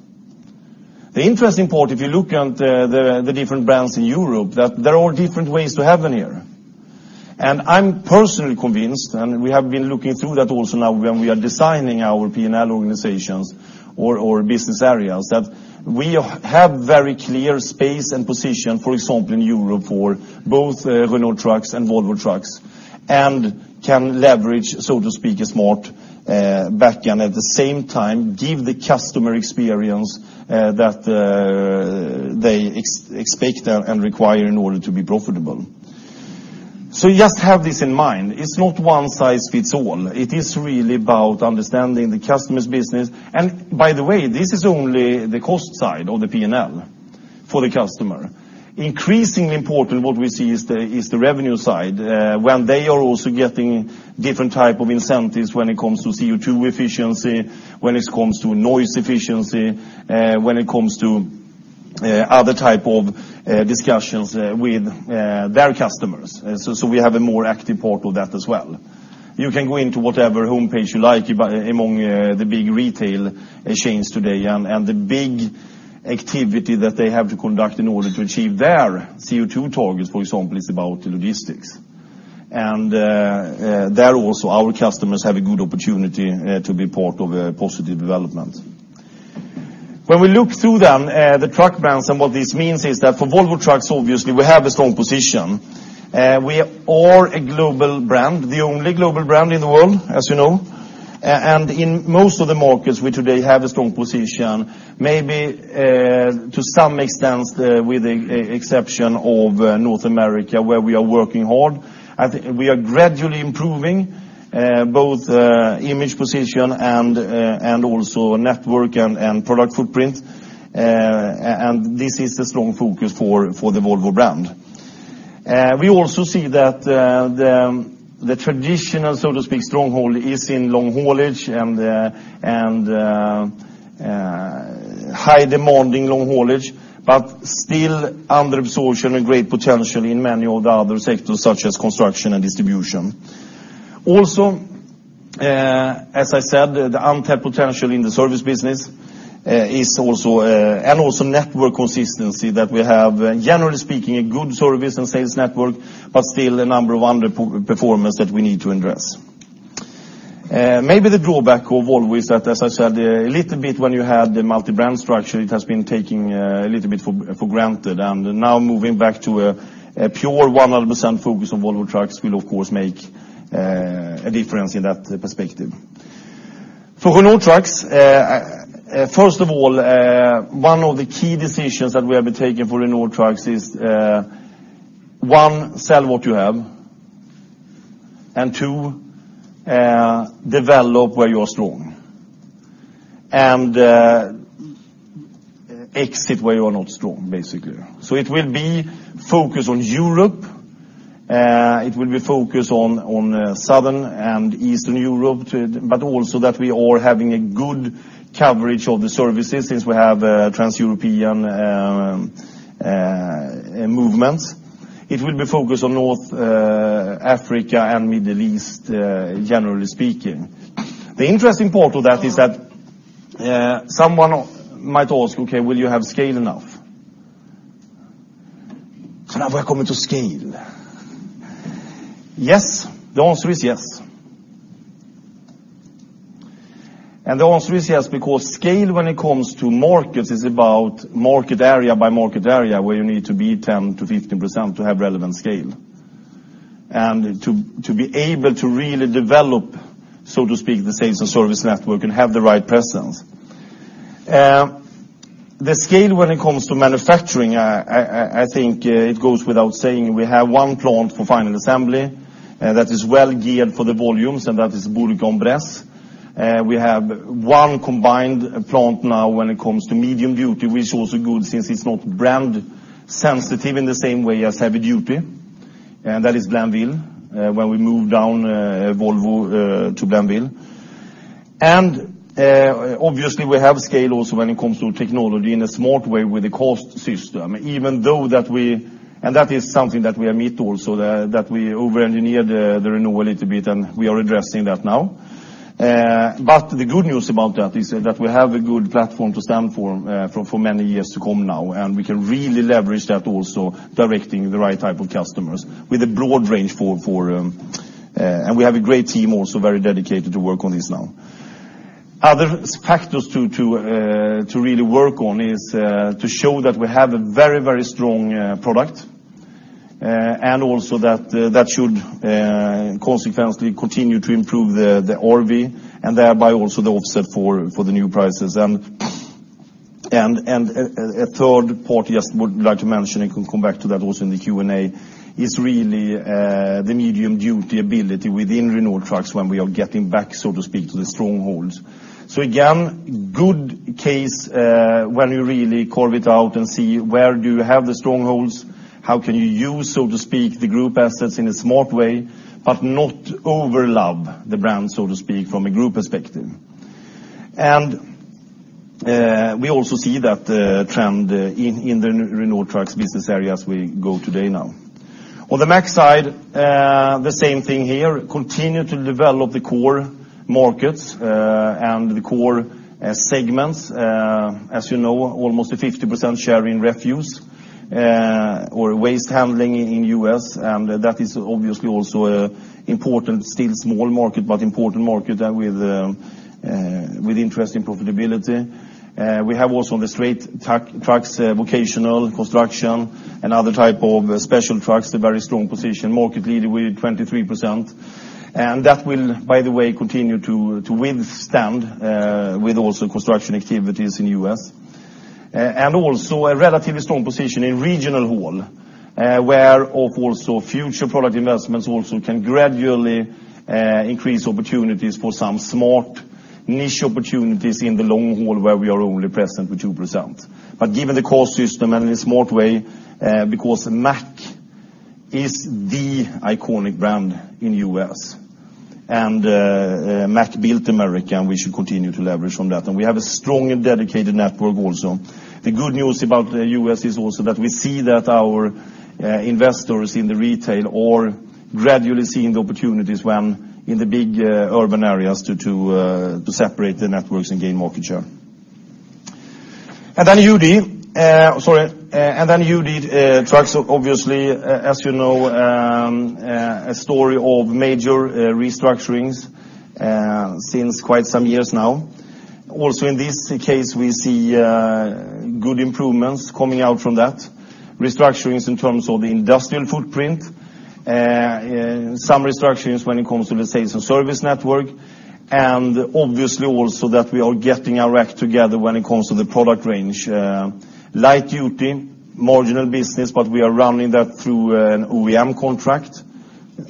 The interesting part, if you look at the different brands in Europe, that there are different ways to heaven here. I'm personally convinced, and we have been looking through that also now when we are designing our P&L organizations or business areas, that we have very clear space and position, for example, in Europe for both Renault Trucks and Volvo Trucks, and can leverage, so to speak, a smart backend. At the same time, give the customer experience that they expect and require in order to be profitable. Just have this in mind. It's not one size fits all. It is really about understanding the customer's business. By the way, this is only the cost side of the P&L for the customer. Increasingly important, what we see is the revenue side, when they are also getting different type of incentives when it comes to CO2 efficiency, when it comes to noise efficiency, when it comes to other type of discussions with their customers. We have a more active part of that as well. You can go into whatever homepage you like among the big retail chains today, the big activity that they have to conduct in order to achieve their CO2 targets, for example, is about logistics. There also, our customers have a good opportunity to be part of a positive development. When we look through then, the truck brands and what this means is that for Volvo Trucks, obviously, we have a strong position. We are a global brand, the only global brand in the world, as you know. In most of the markets, we today have a strong position, maybe to some extent with the exception of North America, where we are working hard. I think we are gradually improving both image position and also network and product footprint. This is a strong focus for the Volvo brand. We also see that the traditional, so to speak, stronghold is in long haulage and high demanding long haulage, but still under absorption with great potential in many of the other sectors, such as construction and distribution. Also, as I said, the untapped potential in the service business and also network consistency that we have, generally speaking, a good service and sales network, but still a number of underperformance that we need to address. Maybe the drawback of Volvo is that, as I said, a little bit when you had the multi-brand structure, it has been taking a little bit for granted. Now moving back to a pure 100% focus on Volvo Trucks will of course make a difference in that perspective. For Renault Trucks, first of all, one of the key decisions that we have been taking for Renault Trucks is, 1, sell what you have, and 2, develop where you are strong. Exit where you are not strong, basically. It will be focused on Europe, it will be focused on Southern and Eastern Europe, but also that we are having a good coverage of the services since we have trans-European movements. It will be focused on North Africa and Middle East, generally speaking. The interesting part of that is that someone might ask, okay, will you have scale enough? Now we are coming to scale. Yes, the answer is yes. The answer is yes because scale when it comes to markets is about market area by market area where you need to be 10%-15% to have relevant scale, and to be able to really develop, so to speak, the sales and service network and have the right presence. The scale when it comes to manufacturing, I think it goes without saying we have one plant for final assembly that is well geared for the volumes, and that is Bourg-en-Bresse. We have one combined plant now when it comes to medium duty, which is also good since it's not brand sensitive in the same way as heavy duty, and that is Blainville, when we moved down Volvo to Blainville. Obviously we have scale also when it comes to technology in a smart way with a CAST system, even though that is something that we admit also, that we over-engineered the renewal a little bit, and we are addressing that now. The good news about that is that we have a good platform to stand for many years to come now, and we can really leverage that also directing the right type of customers with a broad range. We have a great team also very dedicated to work on this now. Other factors to really work on is to show that we have a very strong product, and also that should consequently continue to improve the RV and thereby also the offset for the new prices. A third part I just would like to mention and can come back to that also in the Q&A is really the medium-duty ability within Renault Trucks when we are getting back, so to speak, to the strongholds. Again, good case when you really carve it out and see where do you have the strongholds, how can you use the group assets in a smart way, but not overlap the brand from a group perspective. We also see that trend in the Renault Trucks business area as we go today now. On the Mack side, the same thing here. Continue to develop the core markets, and the core segments. As you know, almost a 50% share in refuse or waste handling in U.S., that is obviously also important, still small market, but important market with interesting profitability. We have also the straight trucks, vocational construction, and other type of special trucks, a very strong position, market leader with 23%. That will, by the way, continue to withstand with also construction activities in U.S. Also a relatively strong position in regional haul, where of also future product investments also can gradually increase opportunities for some smart niche opportunities in the long haul where we are only present with 2%. Given the cost system and in a smart way, because Mack is the iconic brand in U.S. Mack built America, we should continue to leverage on that. We have a strong and dedicated network also. The good news about the U.S. is also that we see that our investors in the retail are gradually seeing the opportunities when in the big urban areas to separate the networks and gain market share. UD Trucks, obviously, as you know, a story of major restructurings since quite some years now. Also in this case, we see good improvements coming out from that. Restructurings in terms of the industrial footprint, some restructurings when it comes to the sales and service network, and obviously also that we are getting our act together when it comes to the product range. Light duty, marginal business, but we are running that through an OEM contract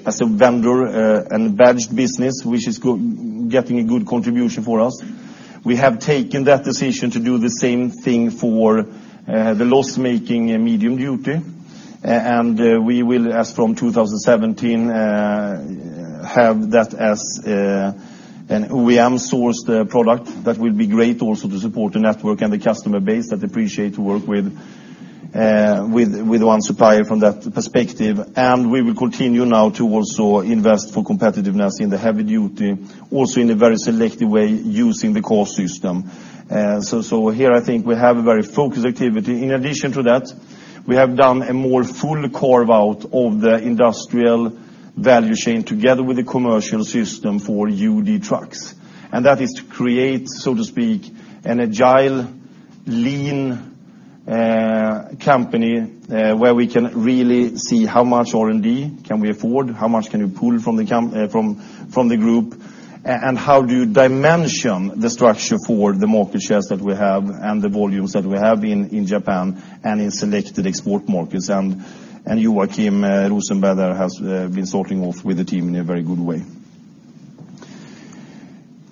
as a vendor and badged business, which is getting a good contribution for us. We have taken that decision to do the same thing for the loss-making medium duty. We will as from 2017, have that as an OEM sourced product. That will be great also to support the network and the customer base that appreciate to work with one supplier from that perspective. We will continue now to also invest for competitiveness in the heavy duty, also in a very selective way using the cost system. Here I think we have a very focused activity. In addition to that, we have done a more full carve-out of the industrial value chain together with the commercial system for UD Trucks. That is to create, so to speak, an agile, lean company, where we can really see how much R&D can we afford, how much can you pull from the group, and how do you dimension the structure for the market shares that we have and the volumes that we have in Japan and in selected export markets. Joachim Rosenberg has been sorting off with the team in a very good way.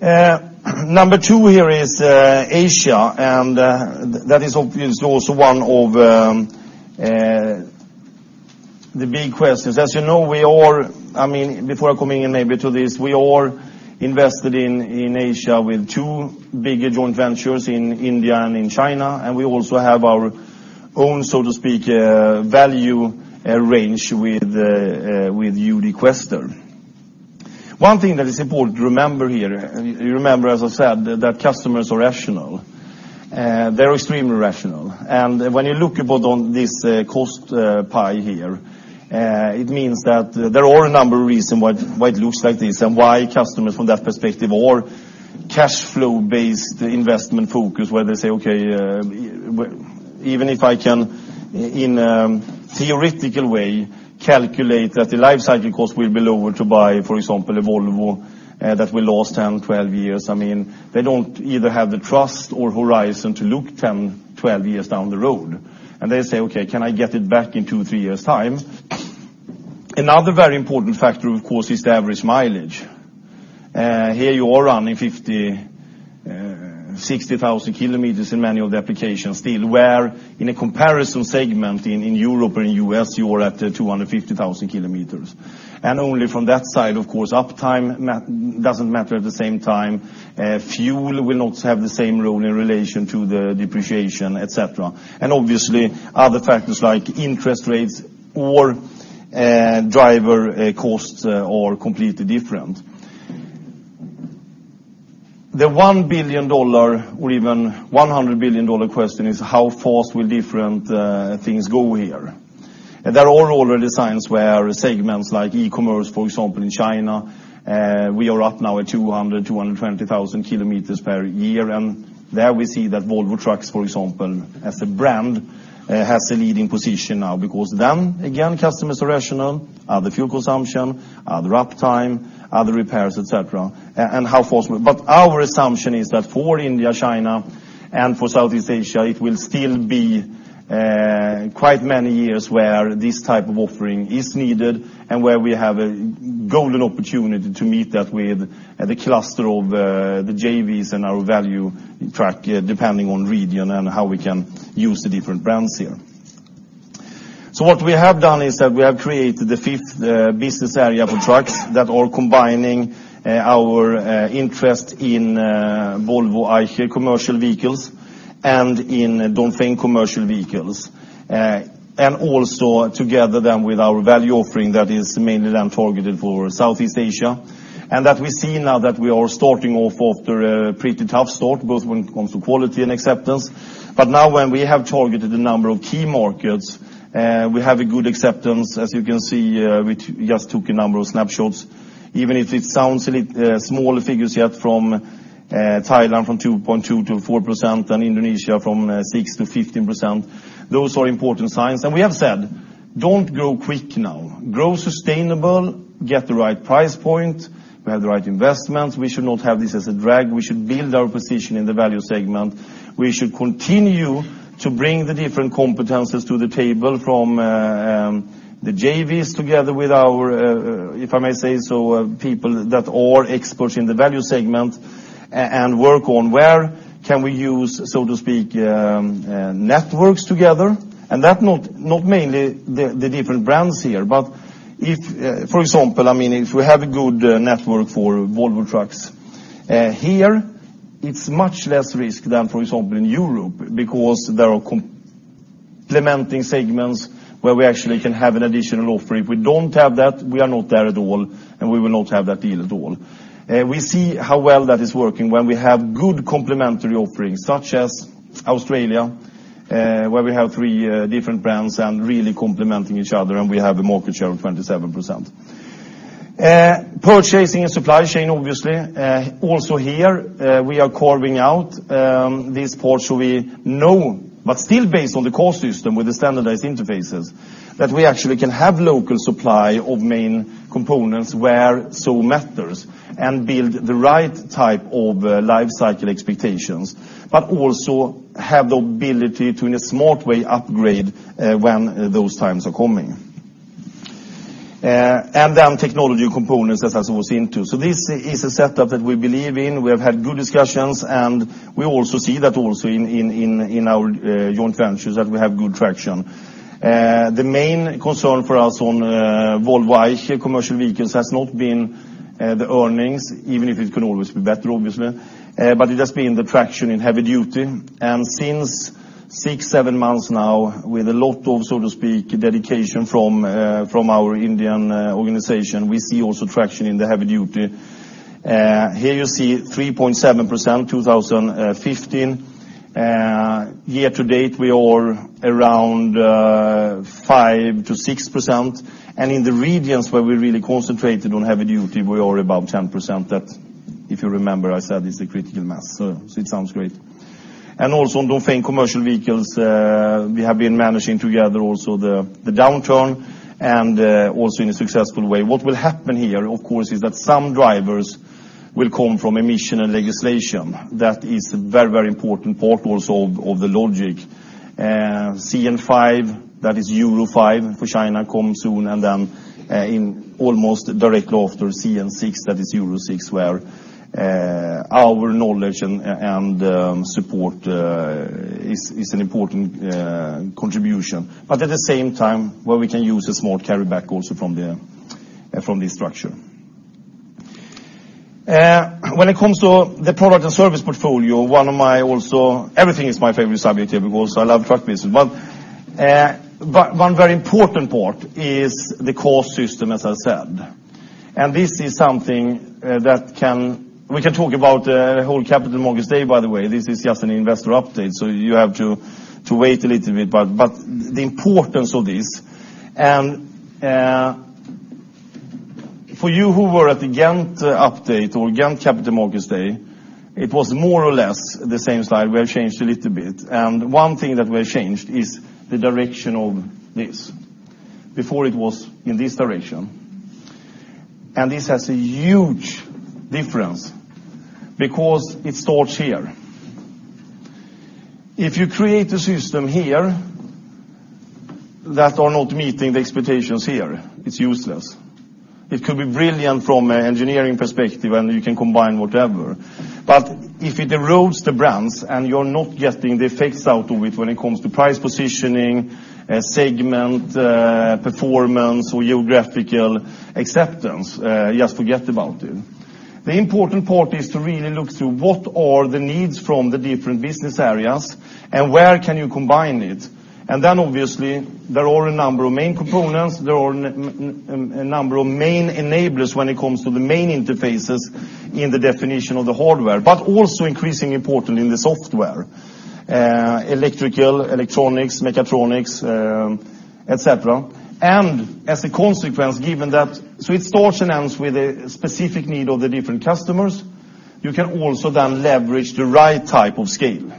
Number two here is Asia, that is obviously also one of the big questions. As you know, we are Before coming in maybe to this, we are invested in Asia with two bigger joint ventures in India and in China. We also have our own, so to speak, value range with UD Quester. One thing that is important to remember here, you remember, as I said, that customers are rational. They're extremely rational. When you look both on this cost pie here, it means that there are a number of reason why it looks like this, and why customers from that perspective or cash flow based investment focus, where they say, okay, even if I can, in a theoretical way, calculate that the life cycle cost will be lower to buy, for example, a Volvo that will last 10, 12 years. They don't either have the trust or horizon to look 10, 12 years down the road. They say, "Okay, can I get it back in 2, 3 years' time?" Another very important factor, of course, is the average mileage. Here you are running 50,000, 60,000 kilometers in many of the applications still, where in a comparison segment in Europe or in U.S., you are at 250,000 kilometers. Only from that side, of course, uptime doesn't matter at the same time. Fuel will not have the same role in relation to the depreciation, et cetera. Obviously, other factors like interest rates or driver costs are completely different. The SEK 1 billion or even SEK 100 billion question is how fast will different things go here? There are already signs where segments like e-commerce, for example, in China, we are up now at 200,000, 220,000 kilometers per year. There we see that Volvo Trucks, for example, as a brand, has a leading position now because then, again, customers are rational. The fuel consumption, the uptime, the repairs, et cetera, and how fast. Our assumption is that for India, China, and for Southeast Asia, it will still be quite many years where this type of offering is needed and where we have a golden opportunity to meet that with the cluster of the JVs and our value track, depending on region and how we can use the different brands here. What we have done is that we have created the fifth business area for trucks that are combining our interest in Volvo, VE Commercial Vehicles and in Dongfeng Commercial Vehicles. Also together then with our value offering that is mainly then targeted for Southeast Asia. That we see now that we are starting off after a pretty tough start, both when it comes to quality and acceptance. Now when we have targeted a number of key markets, we have a good acceptance. As you can see, we just took a number of snapshots. Even if it sounds small figures yet from Thailand from 2.2%-4% and Indonesia from 6%-15%, those are important signs. We have said, don't grow quick now. Grow sustainable, get the right price point. We have the right investments. We should not have this as a drag. We should build our position in the value segment. We should continue to bring the different competencies to the table from the JVs together with our, if I may say so, people that are experts in the value segment, and work on where can we use, so to speak, networks together. That not mainly the different brands here. If, for example, if we have a good network for Volvo Trucks here, it's much less risk than, for example, in Europe because there are complementing segments where we actually can have an additional offering. If we don't have that, we are not there at all, and we will not have that deal at all. We see how well that is working when we have good complementary offerings, such as Australia, where we have three different brands and really complementing each other, and we have a market share of 27%. Purchasing and supply chain, obviously also here, we are carving out these parts so we know, but still based on the cost system with the standardized interfaces. That we actually can have local supply of main components where so matters and build the right type of life cycle expectations, but also have the ability to, in a smart way, upgrade when those times are coming. Technology components as I was into. This is a setup that we believe in. We have had good discussions, and we also see that also in our joint ventures that we have good traction. The main concern for us on Volvo Eicher Commercial Vehicles has not been the earnings, even if it can always be better, obviously, but it has been the traction in heavy duty. Since six, seven months now, with a lot of, so to speak, dedication from our Indian organization, we see also traction in the heavy duty. Here you see 3.7%, 2015. Year to date, we are around 5%-6%. In the regions where we really concentrated on heavy duty, we are above 10%. That, if you remember, I said is the critical mass. It sounds great. Also on Dongfeng Commercial Vehicles, we have been managing together also the downturn and also in a successful way. What will happen here, of course, is that some drivers will come from emission and legislation. That is a very important part also of the logic. CN V, that is Euro V for China, come soon, and then almost directly after CN VI that is Euro VI where our knowledge and support is an important contribution. At the same time, where we can use a small carry back also from this structure. When it comes to the product and service portfolio, everything is my favorite subject because I love truck business, but one very important part is the cost system, as I said. This is something that we can talk about the whole Capital Markets Day, by the way. This is just an investor update, so you have to wait a little bit. The importance of this, and for you who were at the Ghent update or Ghent Capital Markets Day, it was more or less the same slide. We have changed a little bit, and one thing that we changed is the direction of this. Before it was in this direction, and this has a huge difference because it starts here. If you create a system here that is not meeting the expectations here, it is useless. It could be brilliant from an engineering perspective and you can combine whatever. If it erodes the brands and you are not getting the effects out of it when it comes to price positioning, segment, performance or geographical acceptance, just forget about it. The important part is to really look through what are the needs from the different business areas and where can you combine it. Obviously, there are a number of main components. There are a number of main enablers when it comes to the main interfaces in the definition of the hardware, but also increasingly important in the software. Electrical, electronics, mechatronics, et cetera. As a consequence, given that, it starts and ends with the specific need of the different customers. You can also then leverage the right type of scale.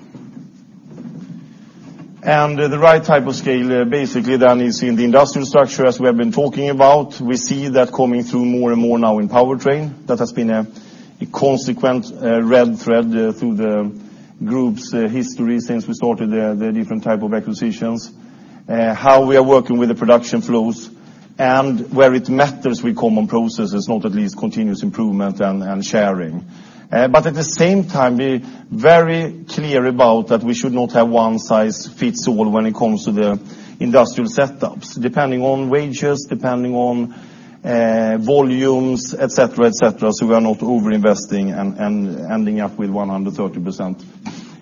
The right type of scale, basically then is in the industrial structure as we have been talking about. We see that coming through more and more now in powertrain. That has been a consistent red thread through the Group's history since we started the different type of acquisitions. How we are working with the production flows and where it matters with common processes, not least continuous improvement and sharing. At the same time, be very clear about that we should not have one size fits all when it comes to the industrial setups. Depending on wages, depending on volumes, et cetera. We are not overinvesting and ending up with 130%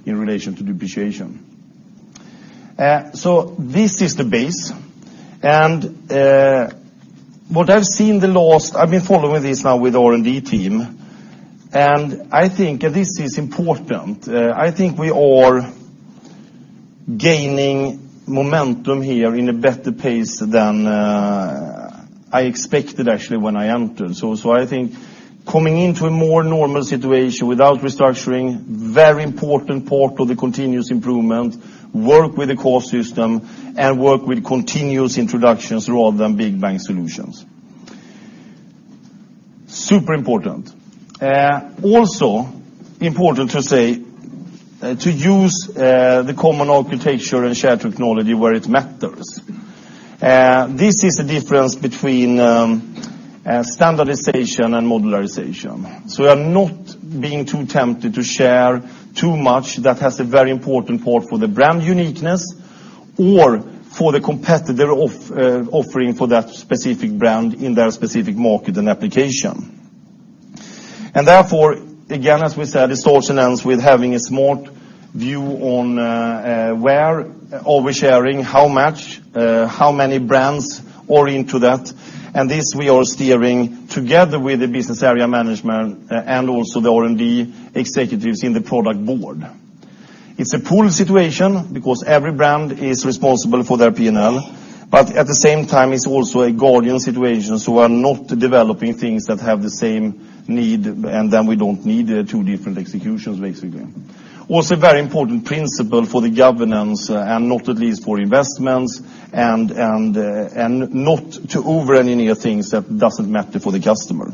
in relation to depreciation. This is the base and what I have seen the last. I have been following this now with R&D team, and I think this is important. I think we are gaining momentum here in a better pace than I expected, actually, when I entered. I think coming into a more normal situation without restructuring, very important part of the continuous improvement, work with the cost system and work with continuous introductions rather than big bang solutions. Super important. Also important to say, to use the Common Architecture Shared Technology where it matters. This is the difference between standardization and modularization. We are not being too tempted to share too much. That has a very important part for the brand uniqueness or for the competitor offering for that specific brand in their specific market and application. Therefore, again, as we said, it starts and ends with having a smart view on where are we sharing, how much, how many brands are into that. This we are steering together with the business area management and also the R&D executives in the product board. It is a pool situation because every brand is responsible for their P&L. At the same time, it is also a guardian situation. We are not developing things that have the same need and then we don't need two different executions, basically. Also very important principle for the governance and not least for investments and not to over-engineer things that do not matter for the customer.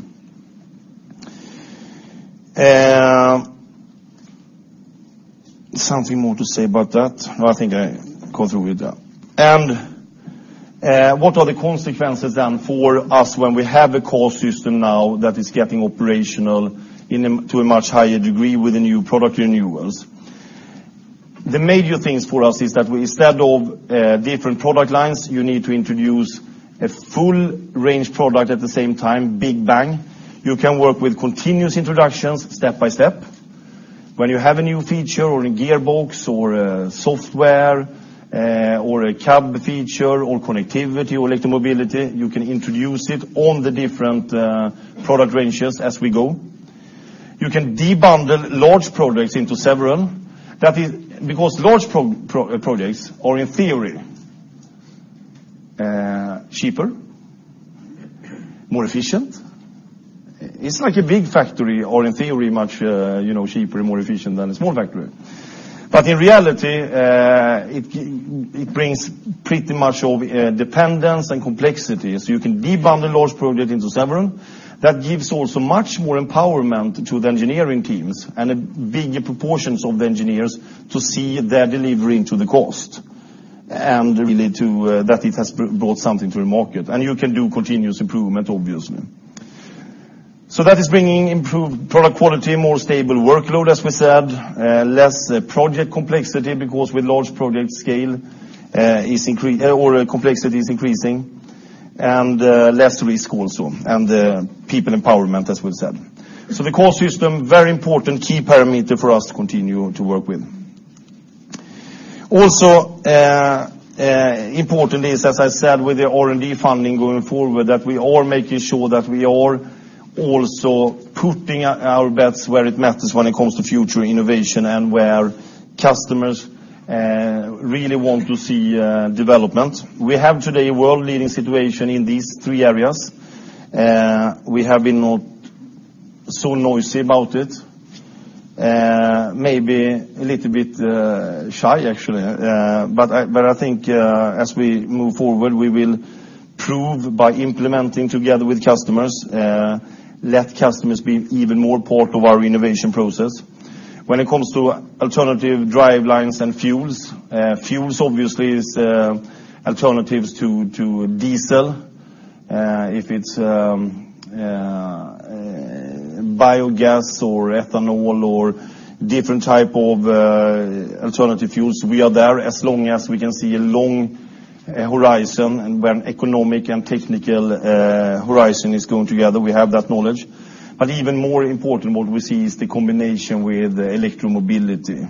Something more to say about that? No, I think I go through with that. What are the consequences then for us when we have a core system now that is getting operational to a much higher degree with the new product renewals? The major things for us is that instead of different product lines, you need to introduce a full range product at the same time, big bang. You can work with continuous introductions step by step. When you have a new feature or a gearbox or a software or a cab feature or connectivity or electro-mobility, you can introduce it on the different product ranges as we go. You can de-bundle large product into several. Because large projects are, in theory, cheaper, more efficient. It's like a big factory or in theory much cheaper and more efficient than a small factory. But in reality, it brings pretty much of dependence and complexity. You can de-bundle large product into several. That gives also much more empowerment to the engineering teams and a bigger proportions of the engineers to see their delivery into the CAST. Really that it has brought something to the market. You can do continuous improvement, obviously. So that is bringing improved product quality, more stable workload, as we said, less project complexity because with large project scale, complexity is increasing, and less risk also, and people empowerment, as we've said. So the CAST system, very important key parameter for us to continue to work with. Also important is, as I said, with the R&D funding going forward, that we are making sure that we are also putting our bets where it matters when it comes to future innovation and where customers really want to see development. We have today a world-leading situation in these three areas. We have been not so noisy about it, maybe a little bit shy, actually. I think as we move forward, we will prove by implementing together with customers, let customers be even more part of our innovation process. When it comes to alternative drivelines and fuels obviously is alternatives to diesel. If it's biogas or ethanol or different type of alternative fuels, we are there as long as we can see a long horizon and when economic and technical horizon is going together, we have that knowledge. But even more important, what we see is the combination with electro-mobility.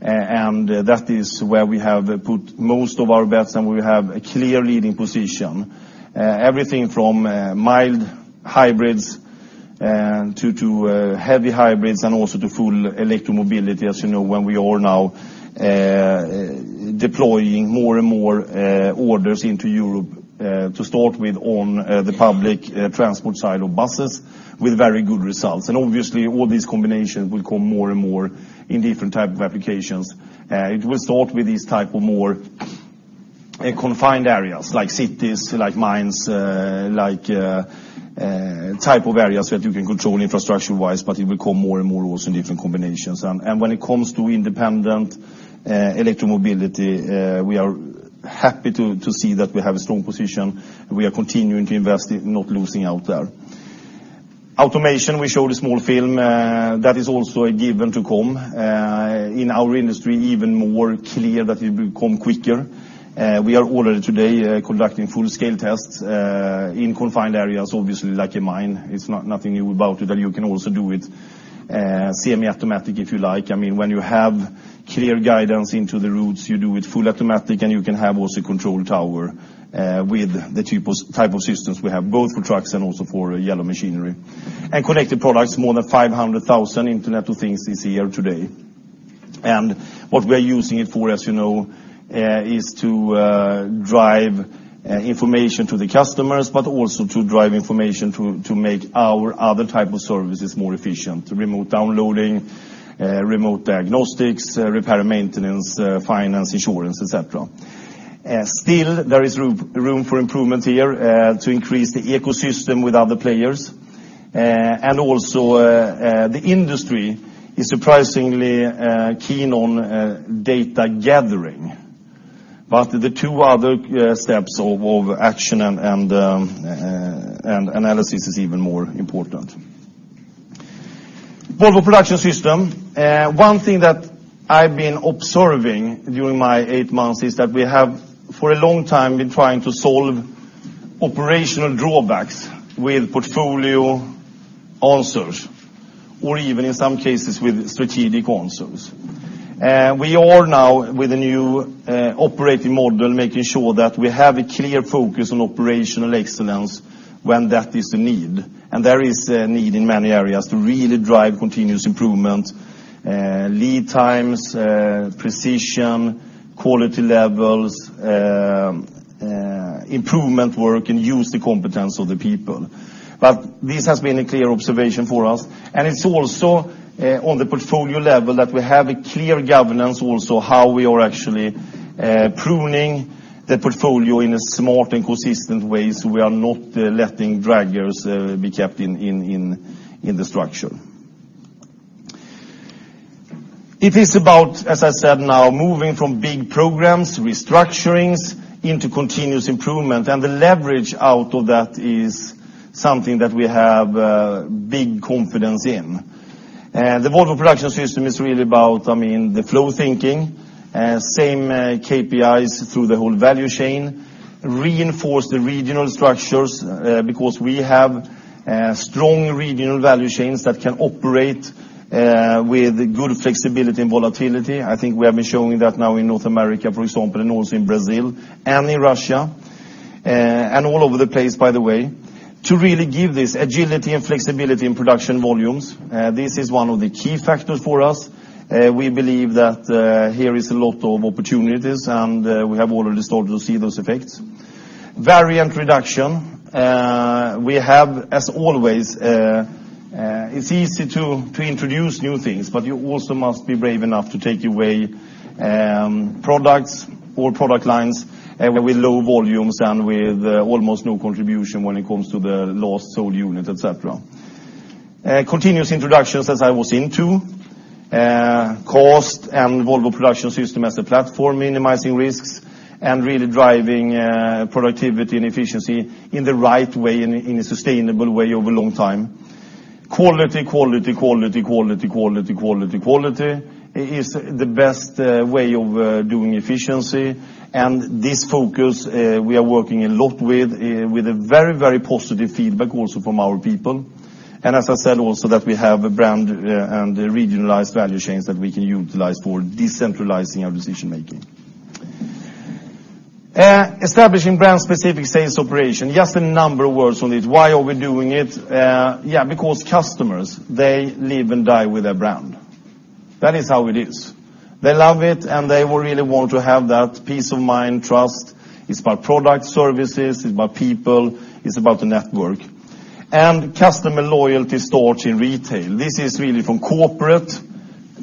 That is where we have put most of our bets, and we have a clear leading position. Everything from mild hybrids to heavy hybrids and also to full electro-mobility, as you know, when we are now deploying more and more orders into Europe, to start with on the public transport side of buses with very good results. Obviously all these combinations will come more and more in different type of applications. It will start with these type of more confined areas, like cities, like mines, type of areas where you can control infrastructure-wise, but it will come more and more also in different combinations. When it comes to independent electro-mobility, we are happy to see that we have a strong position. We are continuing to invest, not losing out there. Automation, we showed a small film. That is also a given to come. In our industry, even more clear that it will come quicker. We are already today conducting full-scale tests in confined areas, obviously like a mine. It's nothing new about it, and you can also do it semi-automatic if you like. When you have clear guidance into the routes, you do it full automatic, and you can have also control tower with the type of systems we have, both for trucks and also for yellow machinery. Connected products, more than 500,000 Internet of Things this year today. What we're using it for, as you know, is to drive information to the customers, but also to drive information to make our other type of services more efficient, remote downloading, remote diagnostics, repair and maintenance, finance, insurance, et cetera. Still, there is room for improvement here to increase the ecosystem with other players. Also the industry is surprisingly keen on data gathering. The two other steps of action and analysis is even more important. Volvo Production System. One thing that I've been observing during my eight months is that we have, for a long time, been trying to solve operational drawbacks with portfolio answers, or even in some cases with strategic answers. We are now with a new operating model, making sure that we have a clear focus on operational excellence when that is the need. There is a need in many areas to really drive continuous improvement, lead times, precision, quality levels, improvement work, and use the competence of the people. This has been a clear observation for us. It's also on the portfolio level that we have a clear governance also how we are actually pruning the portfolio in a smart and consistent way, so we are not letting draggers be kept in the structure. It is about, as I said, now moving from big programs, restructurings, into continuous improvement, and the leverage out of that is something that we have big confidence in. The Volvo Production System is really about the flow thinking, same KPIs through the whole value chain, reinforce the regional structures because we have strong regional value chains that can operate with good flexibility and volatility. I think we have been showing that now in North America, for example, also in Brazil and in Russia, and all over the place, by the way, to really give this agility and flexibility in production volumes. This is one of the key factors for us. We believe that here is a lot of opportunities, and we have already started to see those effects. Variant reduction. We have, as always, it's easy to introduce new things, but you also must be brave enough to take away products or product lines with low volumes and with almost no contribution when it comes to the lost sold unit, et cetera. Continuous introductions as I was into. Cost and Volvo Production System as a platform, minimizing risks and really driving productivity and efficiency in the right way, in a sustainable way over a long time. Quality is the best way of doing efficiency. This focus, we are working a lot with very positive feedback also from our people. As I said also, that we have a brand and regionalized value chains that we can utilize for decentralizing our decision-making. Establishing brand specific sales operation. Just a number of words on it. Why are we doing it? Customers, they live and die with their brand. That is how it is. They love it, and they really want to have that peace of mind, trust. It's about product services, it's about people, it's about the network. Customer loyalty starts in retail. This is really from corporate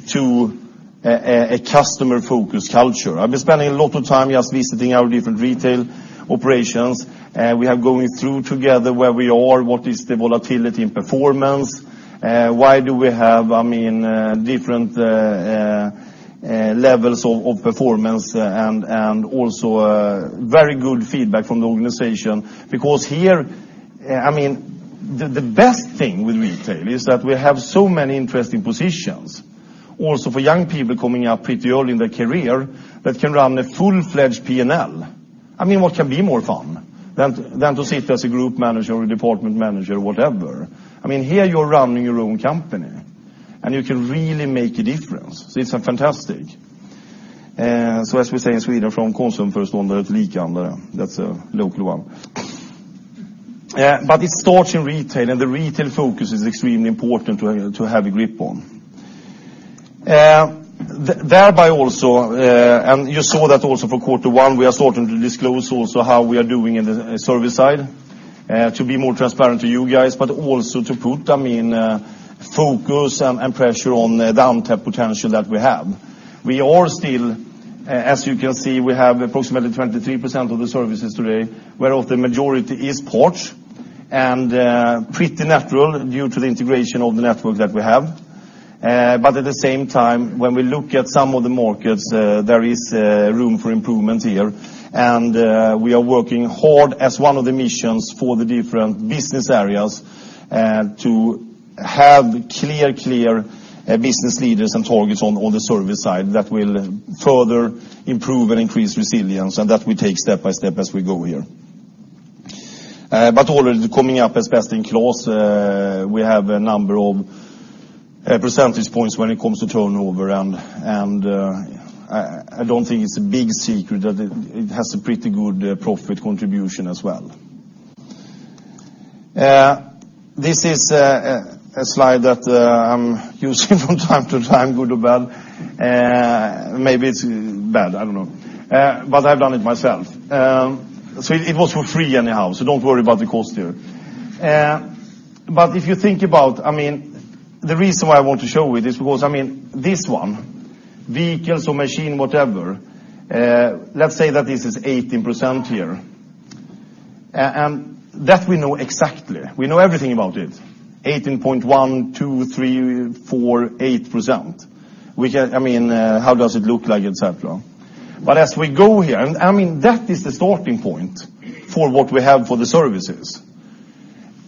to a customer-focused culture. I've been spending a lot of time just visiting our different retail operations. We are going through together where we are, what is the volatility in performance? Why do we have different levels of performance and also very good feedback from the organization. Here, the best thing with retail is that we have so many interesting positions. Also for young people coming up pretty early in their career that can run a full-fledged P&L. What can be more fun than to sit as a group manager or department manager or whatever? Here you're running your own company, and you can really make a difference. It's fantastic. As we say in Sweden, from that's a local one. It starts in retail, and the retail focus is extremely important to have a grip on. Thereby also, and you saw that also for quarter one, we are starting to disclose also how we are doing in the service side. To be more transparent to you guys, but also to put focus and pressure on the downtime potential that we have. We are still, as you can see, we have approximately 23% of the services today, where of the majority is parts, and pretty natural due to the integration of the network that we have. At the same time, when we look at some of the markets, there is room for improvement here, and we are working hard as one of the missions for the different business areas to have clear business leaders and targets on the service side that will further improve and increase resilience, and that we take step by step as we go here. Already coming up as best in class, we have a number of percentage points when it comes to turnover, and I don't think it's a big secret that it has a pretty good profit contribution as well. This is a slide that I'm using from time to time, good or bad. Maybe it's bad, I don't know. I've done it myself. It was for free anyhow, so don't worry about the cost there. If you think about, the reason why I want to show it is because, this one, vehicles or machine, whatever, let's say that this is 18% here. That we know exactly. We know everything about it. 18.1, 2, 3, 4, 8%. How does it look like, et cetera. As we go here, and that is the starting point for what we have for the services.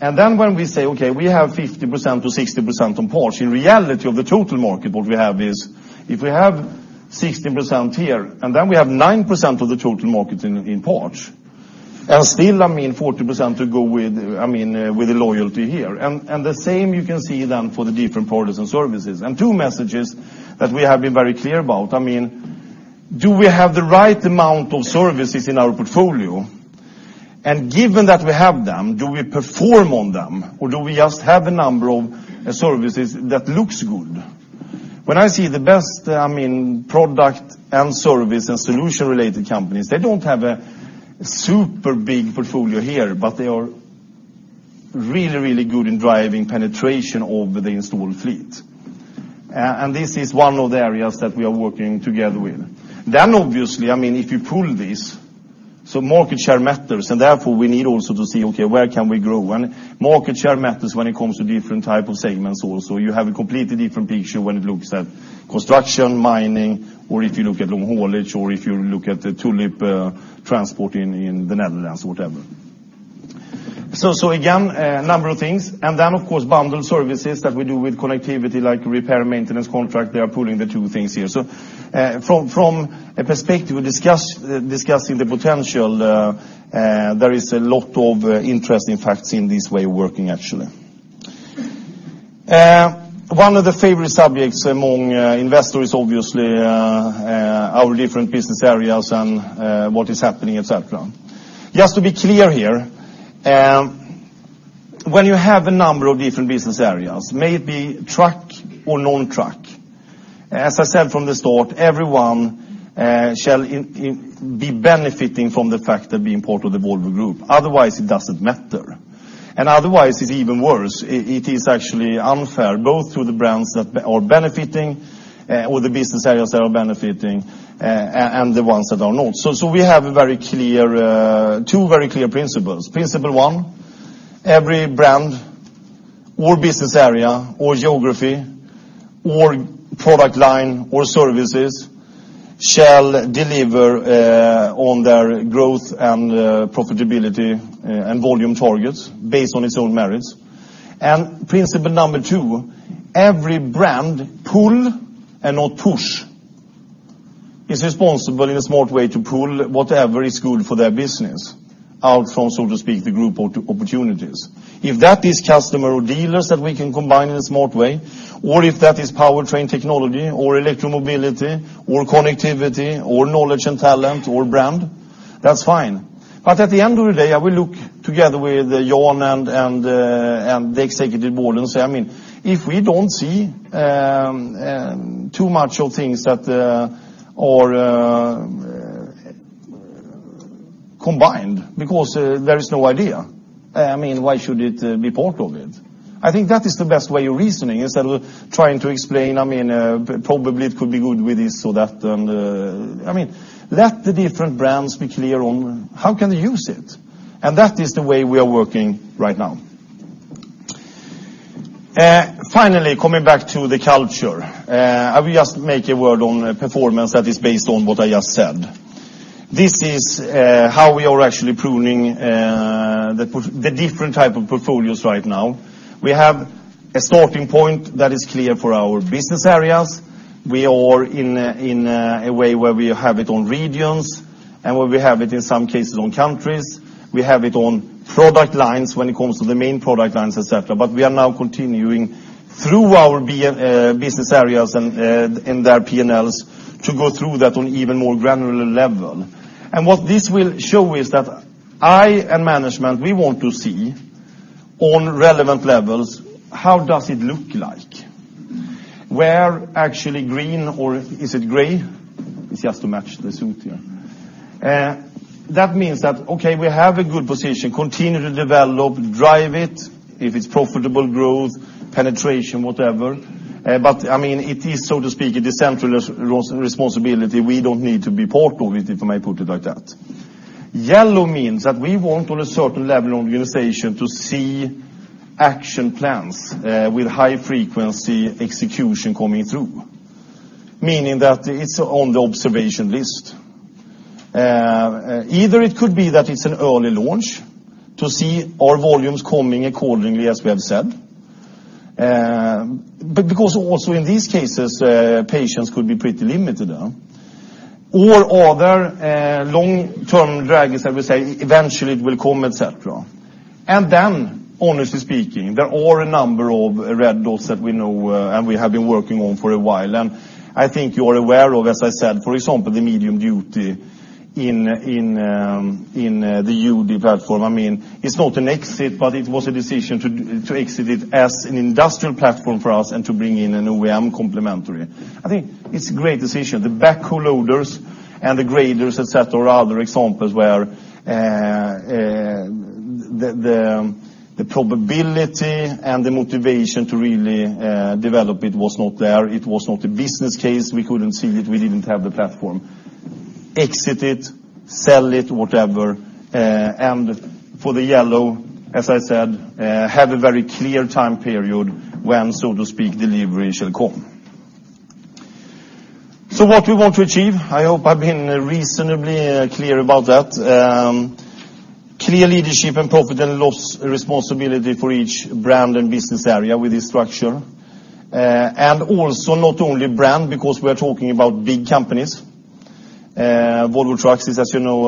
Then when we say, okay, we have 50%-60% on parts, in reality of the total market, what we have is, if we have 60% here, and then we have 9% of the total market in parts, and still 40% to go with the loyalty here. The same you can see then for the different products and services. Two messages that we have been very clear about. Do we have the right amount of services in our portfolio? Given that we have them, do we perform on them, or do we just have a number of services that looks good? When I see the best product and service and solution related companies, they don't have a super big portfolio here, but they are really good in driving penetration of the installed fleet. This is one of the areas that we are working together with. If you pull this, market share matters, therefore we need also to see, okay, where can we grow? Market share matters when it comes to different type of segments also. You have a completely different picture when it looks at construction, mining, or if you look at long haulage, or if you look at the tulip transport in the Netherlands, whatever. Again, a number of things. Bundled services that we do with connectivity like repair and maintenance contract, they are pulling the two things here. From a perspective of discussing the potential, there is a lot of interesting facts in this way of working actually. One of the favorite subjects among investors, obviously, our different business areas and what is happening, et cetera. Just to be clear here, when you have a number of different business areas, may it be truck or non-truck. As I said from the start, everyone shall be benefiting from the fact that being part of the Volvo Group. Otherwise, it doesn't matter. Otherwise, it's even worse. It is actually unfair both to the brands that are benefiting or the business areas that are benefiting and the ones that are not. We have two very clear principles. Principle one, every brand or business area or geography or product line or services shall deliver on their growth and profitability and volume targets based on its own merits. Principle number two, every brand pull and not push is responsible in a smart way to pull whatever is good for their business out from, so to speak, the group of opportunities. If that is customer or dealers that we can combine in a smart way, or if that is powertrain technology or electro-mobility or connectivity or knowledge and talent or brand, that's fine. At the end of the day, I will look together with John and the executive board and say, if we don't see too much of things that are combined because there is no idea, why should it be part of it? I think that is the best way of reasoning instead of trying to explain, probably it could be good with this so that let the different brands be clear on how can they use it. That is the way we are working right now. Finally, coming back to the culture. I will just make a word on performance that is based on what I just said. This is how we are actually pruning the different type of portfolios right now. We have a starting point that is clear for our business areas. We are in a way where we have it on regions and where we have it in some cases on countries. We have it on product lines when it comes to the main product lines, et cetera. We are now continuing through our business areas and their P&Ls to go through that on an even more granular level. What this will show is that I and management, we want to see on relevant levels, how does it look like? Where actually green or is it gray? It's just to match the suit here. That means that, okay, we have a good position, continue to develop, drive it. If it's profitable growth, penetration, whatever. It is, so to speak, a decentralized responsibility. We don't need to be part of it, if I may put it like that. Yellow means that we want on a certain level of organization to see action plans with high-frequency execution coming through, meaning that it's on the observation list. Either it could be that it's an early launch to see are volumes coming accordingly, as we have said. Because also in these cases, patience could be pretty limited. Are there long-term drags that we say eventually it will come, et cetera. Honestly speaking, there are a number of red dots that we know and we have been working on for a while. I think you are aware of, as I said, for example, the medium duty in the UD platform. It's not an exit, but it was a decision to exit it as an industrial platform for us and to bring in an OEM complementary. I think it's a great decision. The backhoe loaders and the graders, et cetera, are other examples where the probability and the motivation to really develop it was not there. It was not a business case. We couldn't see it. We didn't have the platform. Exit it, sell it, whatever. For the yellow, as I said, have a very clear time period when, so to speak, delivery shall come. What we want to achieve, I hope I've been reasonably clear about that. Clear leadership and profit and loss responsibility for each brand and business area with this structure. Also not only brand, because we are talking about big companies. Volvo Trucks is, as you know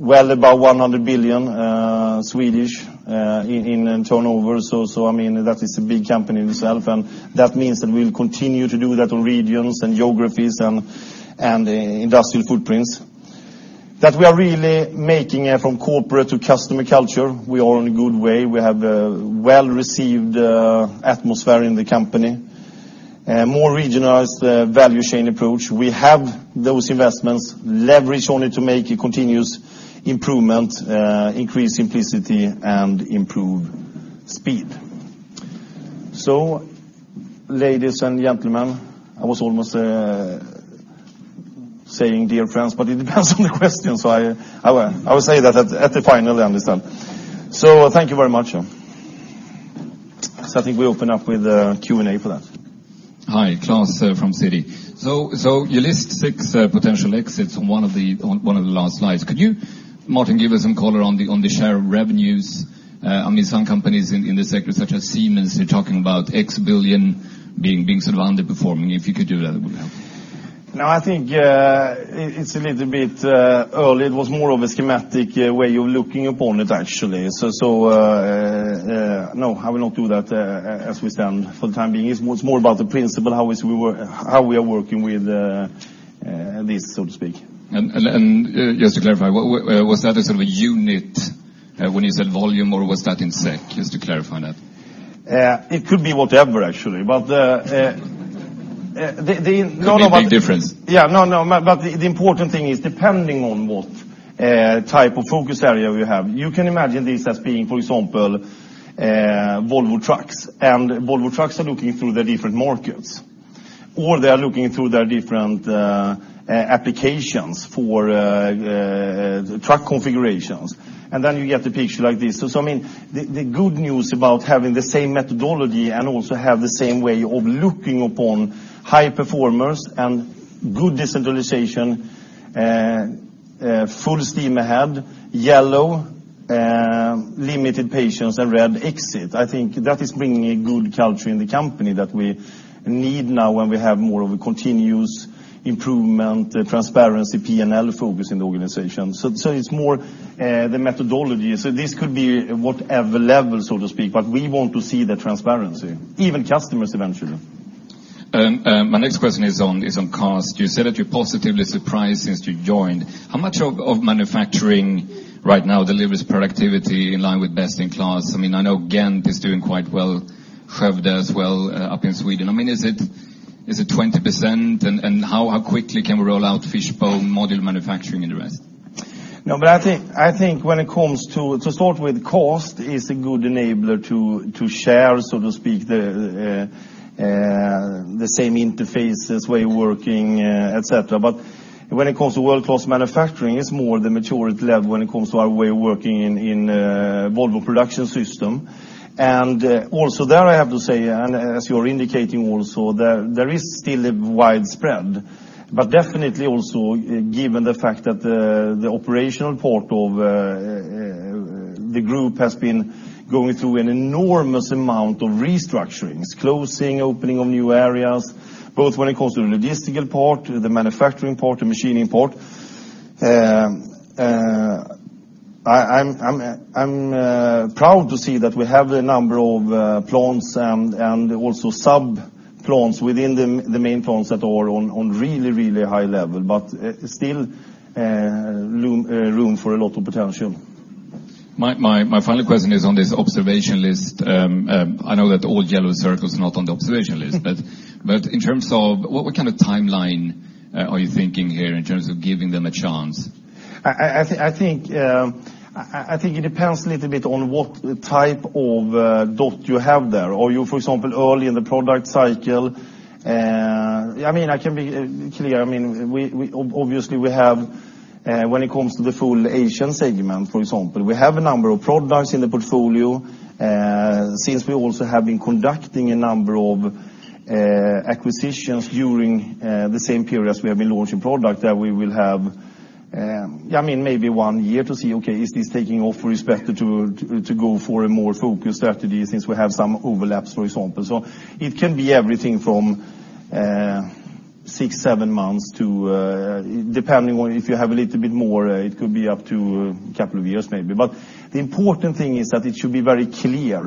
well above SEK 100 billion in turnover. That is a big company in itself, and that means that we'll continue to do that on regions and geographies and industrial footprints. That we are really making it from corporate to customer culture. We are in a good way. We have a well-received atmosphere in the company. More regionalized value chain approach. We have those investments, leverage on it to make a continuous improvement, increase simplicity, and improve speed. Ladies and gentlemen, I was almost saying dear friends, but it depends on the question. I will say that at the final, I understand. Thank you very much. I think we open up with Q&A for that. Hi. Claes from Citi. You list six potential exits on one of the last slides. Could you, Martin, give us some color on the share of revenues? Some companies in this sector, such as Siemens, are talking about ex-billion being sort of underperforming. If you could do that, it would help. No, I think it's a little bit early. It was more of a schematic way of looking upon it, actually. No, I will not do that as we stand for the time being. It's more about the principle, how we are working with this, so to speak. Just to clarify, was that a sort of a unit when you said volume, or was that in SEK? Just to clarify that. It could be whatever, actually. Could be a big difference. Yeah. The important thing is depending on what type of focus area we have. You can imagine this as being, for example, Volvo Trucks. Volvo Trucks are looking through the different markets, or they are looking through their different applications for truck configurations, and then you get the picture like this. The good news about having the same methodology and also have the same way of looking upon high performers and good decentralization, full steam ahead, yellow, limited patience, and red exit. I think that is bringing a good culture in the company that we need now when we have more of a continuous improvement, transparency, P&L focus in the organization. It's more the methodology. This could be whatever level, so to speak, but we want to see the transparency, even customers eventually. My next question is on cost. You said that you're positively surprised since you joined. How much of manufacturing right now delivers productivity in line with best in class? I know Ghent is doing quite well, Skövde as well up in Sweden. Is it 20%? How quickly can we roll out fishbone module manufacturing in the rest? I think to start with, cost is a good enabler to share, so to speak, the same interfaces, way of working, et cetera. When it comes to world-class manufacturing, it's more the maturity level when it comes to our way of working in Volvo Production System. Also there I have to say, and as you're indicating also, there is still a wide spread, but definitely also given the fact that the operational part of the group has been going through an enormous amount of restructurings, closing, opening of new areas, both when it comes to the logistical part, the manufacturing part, the machining part. I'm proud to see that we have the number of plants and also sub-plants within the main plants that are on really high level, but still room for a lot of potential. My final question is on this observation list. I know that all yellow circles are not on the observation list, in terms of what kind of timeline are you thinking here in terms of giving them a chance? I think it depends a little bit on what type of dot you have there. Are you, for example, early in the product cycle? I can be clear. Obviously, when it comes to the full Asian segment, for example, we have a number of products in the portfolio. Since we also have been conducting a number of acquisitions during the same period as we have been launching product, that we will have maybe one year to see, okay, is this taking off with respect to go for a more focused strategy since we have some overlaps, for example. It can be everything from six, seven months to, depending on if you have a little bit more, it could be up to a couple of years maybe. The important thing is that it should be very clear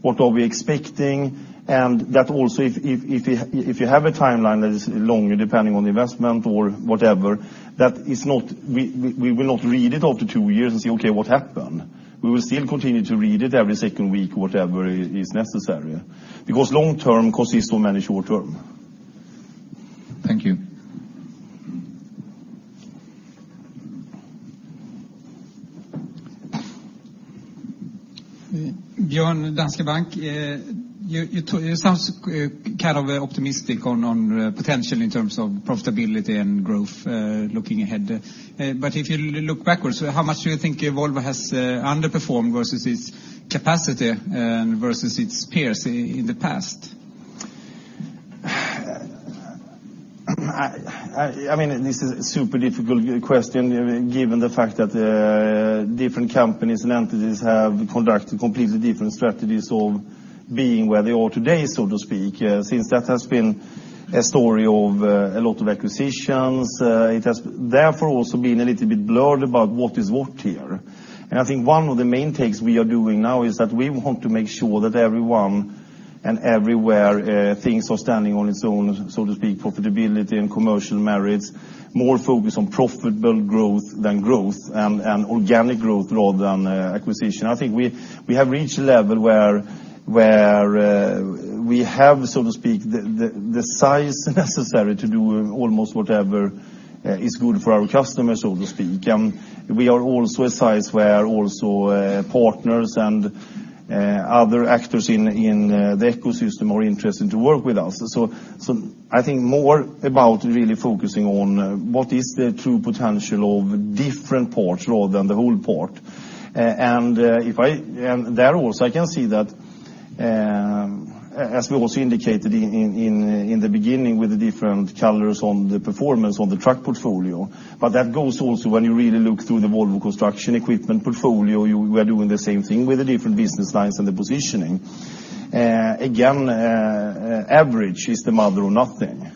what are we expecting, and that also if you have a timeline that is longer, depending on investment or whatever, that we will not read it after two years and say, okay, what happened? We will still continue to read it every second week, whatever is necessary, because long term consists of many short term. Thank you. Björn, Danske Bank. You sound kind of optimistic on potential in terms of profitability and growth looking ahead. If you look backwards, how much do you think Volvo has underperformed versus its capacity and versus its peers in the past? This is a super difficult question given the fact that different companies and entities have conducted completely different strategies of being where they are today, so to speak. Since that has been a story of a lot of acquisitions, it has therefore also been a little bit blurred about what is what here. I think one of the main takes we are doing now is that we want to make sure that everyone and everywhere things are standing on its own, so to speak, profitability and commercial merits, more focused on profitable growth than growth and organic growth rather than acquisition. I think we have reached a level where we have, so to speak, the size necessary to do almost whatever is good for our customers, so to speak. We are also a size where also partners and other actors in the ecosystem are interested to work with us. I think more about really focusing on what is the true potential of different parts rather than the whole part. There also I can see that, as we also indicated in the beginning with the different colors on the performance on the truck portfolio, but that goes also when you really look through the Volvo Construction Equipment portfolio, we are doing the same thing with the different business lines and the positioning. Again, average is the mother of nothing.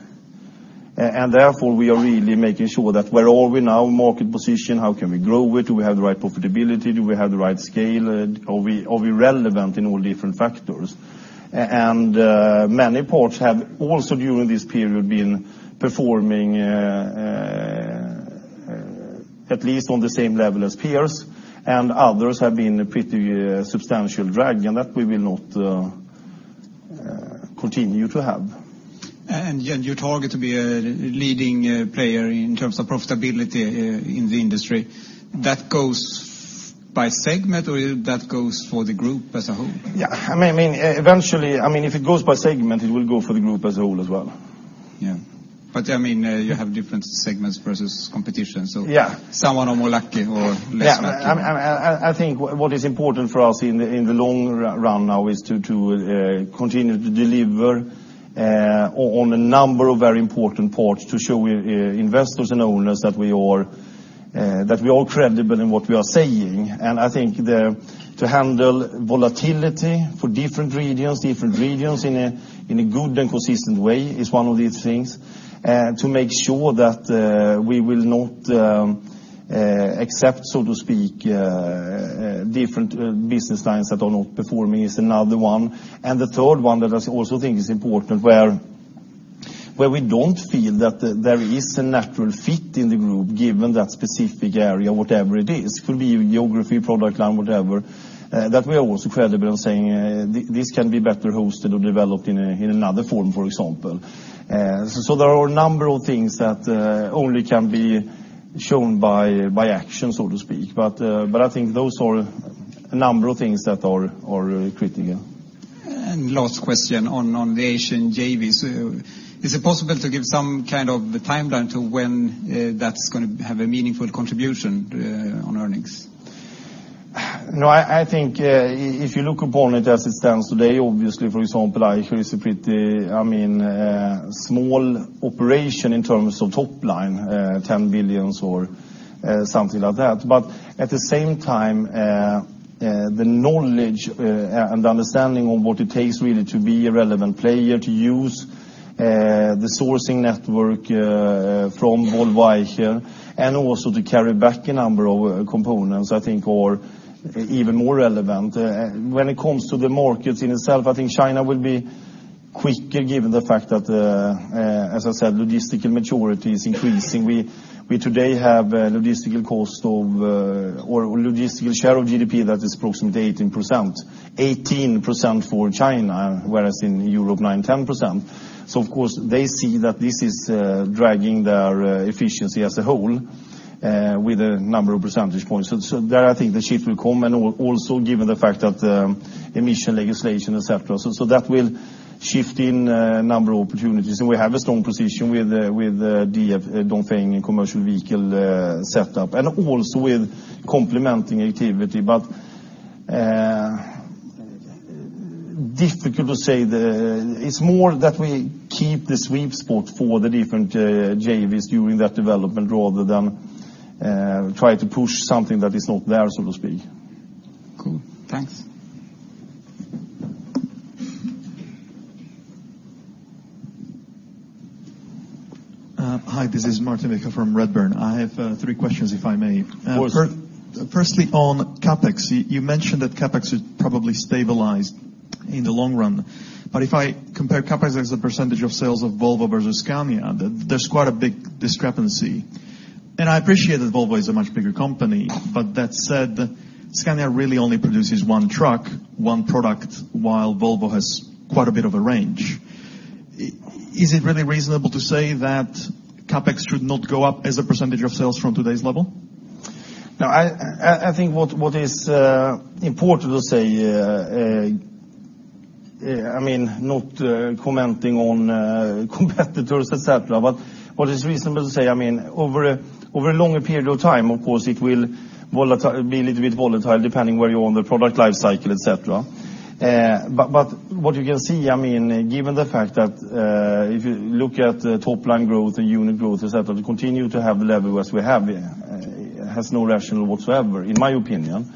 Therefore we are really making sure that where are we now in market position, how can we grow it? Do we have the right profitability? Do we have the right scale? Are we relevant in all different factors? Many parts have also during this period been performing at least on the same level as peers, and others have been a pretty substantial drag, and that we will not continue to have. Your target to be a leading player in terms of profitability in the industry, that goes by segment or that goes for the group as a whole? Yeah. Eventually, if it goes by segment, it will go for the group as a whole as well. Yeah. You have different segments versus competition. Yeah. Some are more lucky or less lucky. Yeah. I think what is important for us in the long run now is to continue to deliver on a number of very important parts to show investors and owners that we are credible in what we are saying. I think to handle volatility for different regions in a good and consistent way is one of these things. To make sure that we will not accept, so to speak, different business lines that are not performing is another one. The third one that I also think is important, where we don't feel that there is a natural fit in the group given that specific area, whatever it is, it could be a geography product line, whatever. That we are also credible in saying, this can be better hosted or developed in another form, for example. There are a number of things that only can be shown by action, so to speak. I think those are a number of things that are critical. Last question on the Asian JVs. Is it possible to give some kind of timeline to when that's going to have a meaningful contribution on earnings? I think if you look upon it as it stands today, obviously, for example, Asia is a pretty small operation in terms of top line, 10 billion or something like that. At the same time, the knowledge and understanding of what it takes really to be a relevant player, to use the sourcing network from Volvo Asia, and also to carry back a number of components, I think are even more relevant. When it comes to the markets in itself, I think China will be quicker given the fact that, as I said, logistical maturity is increasing. We today have logistical cost of, or logistical share of GDP that is approximately 18%. 18% for China, whereas in Europe, 9%, 10%. Of course, they see that this is dragging their efficiency as a whole with a number of percentage points. There I think the shift will come and also given the fact that emission legislation, et cetera. That will shift in a number of opportunities. We have a strong position with DF, Dongfeng Commercial Vehicles setup, and also with complementing activity. Difficult to say. It's more that we keep the sweet spot for the different JVs during that development rather than try to push something that is not there, so to speak. Cool. Thanks. Hi, this is Martin Becker from Redburn. I have three questions, if I may. Of course. Firstly, on CapEx. You mentioned that CapEx is probably stabilized in the long run. If I compare CapEx as a percentage of sales of Volvo versus Scania, there is quite a big discrepancy. I appreciate that Volvo is a much bigger company, but that said, Scania really only produces one truck, one product, while Volvo has quite a bit of a range. Is it really reasonable to say that CapEx should not go up as a percentage of sales from today's level? No, I think what is important to say, not commenting on competitors, et cetera, what is reasonable to say, over a longer period of time, of course, it will be a little bit volatile depending where you are on the product life cycle, et cetera. What you can see, given the fact that if you look at top line growth and unit growth, et cetera, we continue to have leverage as we have. It has no rationale whatsoever, in my opinion.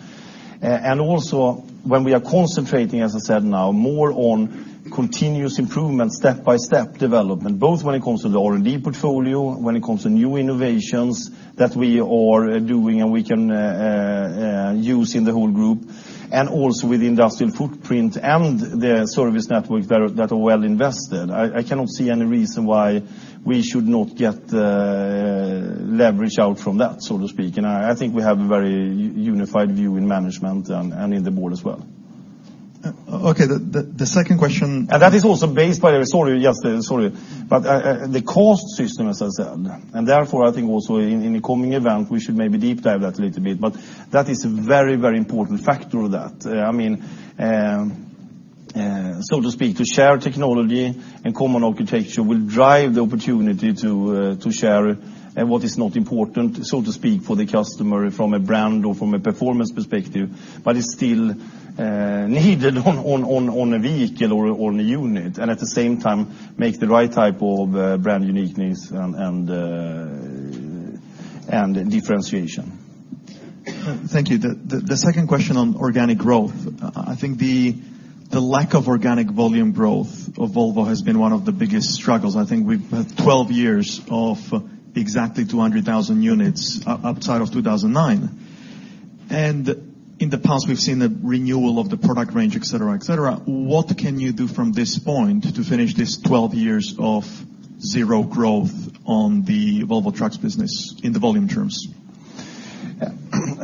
Also when we are concentrating, as I said, now more on continuous improvement step-by-step development, both when it comes to the R&D portfolio, when it comes to new innovations that we are doing and we can use in the whole group, and also with the industrial footprint and the service networks that are well invested. I cannot see any reason why we should not get leverage out from that, so to speak. I think we have a very unified view in management and in the board as well. Okay, the second question- That is also based by the story yesterday. Sorry. The cost system, as I said. Therefore, I think also in the coming event, we should maybe deep dive that a little bit, but that is a very important factor of that. To speak, to share technology and common architecture will drive the opportunity to share what is not important, so to speak, for the customer from a brand or from a performance perspective, but is still needed on a vehicle or on a unit, and at the same time make the right type of brand uniqueness and differentiation. Thank you. The second question on organic growth. I think the lack of organic volume growth of Volvo has been one of the biggest struggles. I think we've had 12 years of exactly 200,000 units outside of 2009. In the past, we've seen the renewal of the product range, et cetera. What can you do from this point to finish these 12 years of zero growth on the Volvo Trucks business in the volume terms?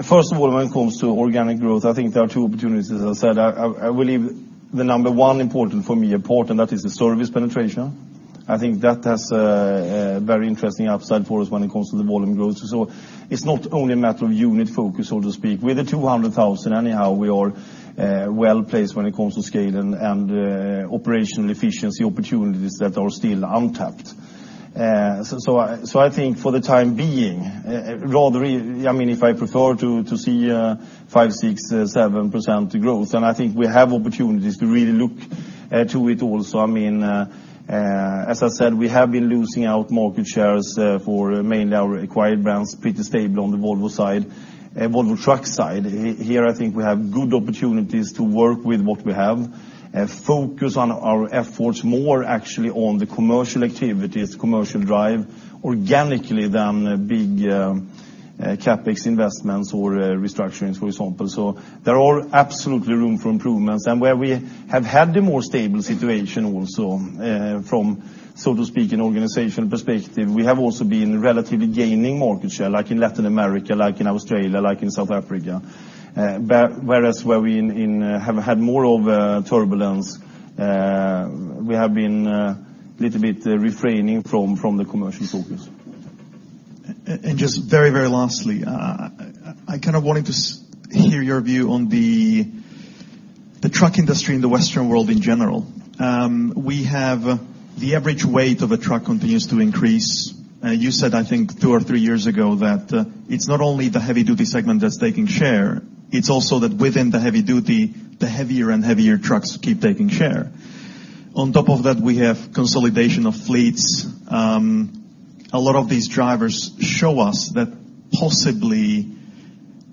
First of all, when it comes to organic growth, I think there are two opportunities, as I said. I believe the number one important for me, important, that is the service penetration. I think that has a very interesting upside for us when it comes to the volume growth. It's not only a matter of unit focus, so to speak. With the 200,000, anyhow, we are well-placed when it comes to scale and operational efficiency opportunities that are still untapped. I think for the time being, if I prefer to see 5%, 6%, 7% growth, and I think we have opportunities to really look to it also. As I said, we have been losing out market shares for mainly our acquired brands, pretty stable on the Volvo side. Volvo Trucks side, here, I think we have good opportunities to work with what we have and focus our efforts more actually on the commercial activities, commercial drive, organically than big CapEx investments or restructurings, for example. There are absolutely room for improvements. Where we have had the more stable situation also from, so to speak, an organizational perspective, we have also been relatively gaining market share, like in Latin America, like in Australia, like in South Africa. Whereas where we have had more of turbulence, we have been a little bit refraining from the commercial focus. Just very lastly, I wanted to hear your view on the truck industry in the Western world in general. We have the average weight of a truck continues to increase. You said, I think two or three years ago, that it's not only the heavy-duty segment that's taking share, it's also that within the heavy-duty, the heavier and heavier trucks keep taking share. On top of that, we have consolidation of fleets. A lot of these drivers show us that possibly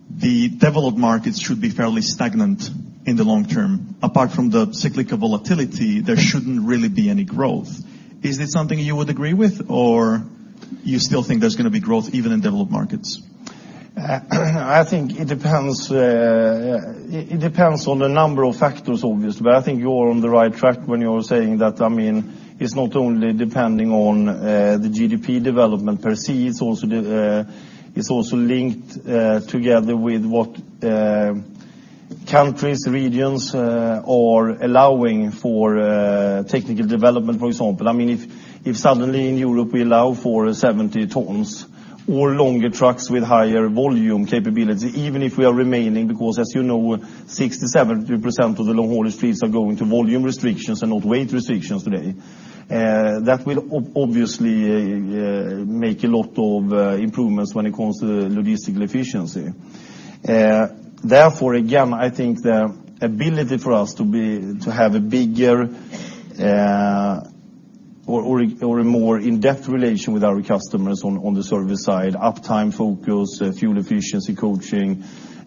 the developed markets should be fairly stagnant in the long term. Apart from the cyclical volatility, there shouldn't really be any growth. Is this something you would agree with, or you still think there's going to be growth even in developed markets? I think it depends on the number of factors, obviously. I think you're on the right track when you are saying that it's not only depending on the GDP development per se, it's also linked together with what countries, regions are allowing for technical development, for example. If suddenly in Europe we allow for 70 tons or longer trucks with higher volume capability, even if we are remaining, because as you know, 67% of the long-haul streets are going to volume restrictions and not weight restrictions today. That will obviously make a lot of improvements when it comes to logistical efficiency. Therefore, again, I think the ability for us to have a bigger or a more in-depth relation with our customers on the service side, uptime focus, fuel efficiency coaching,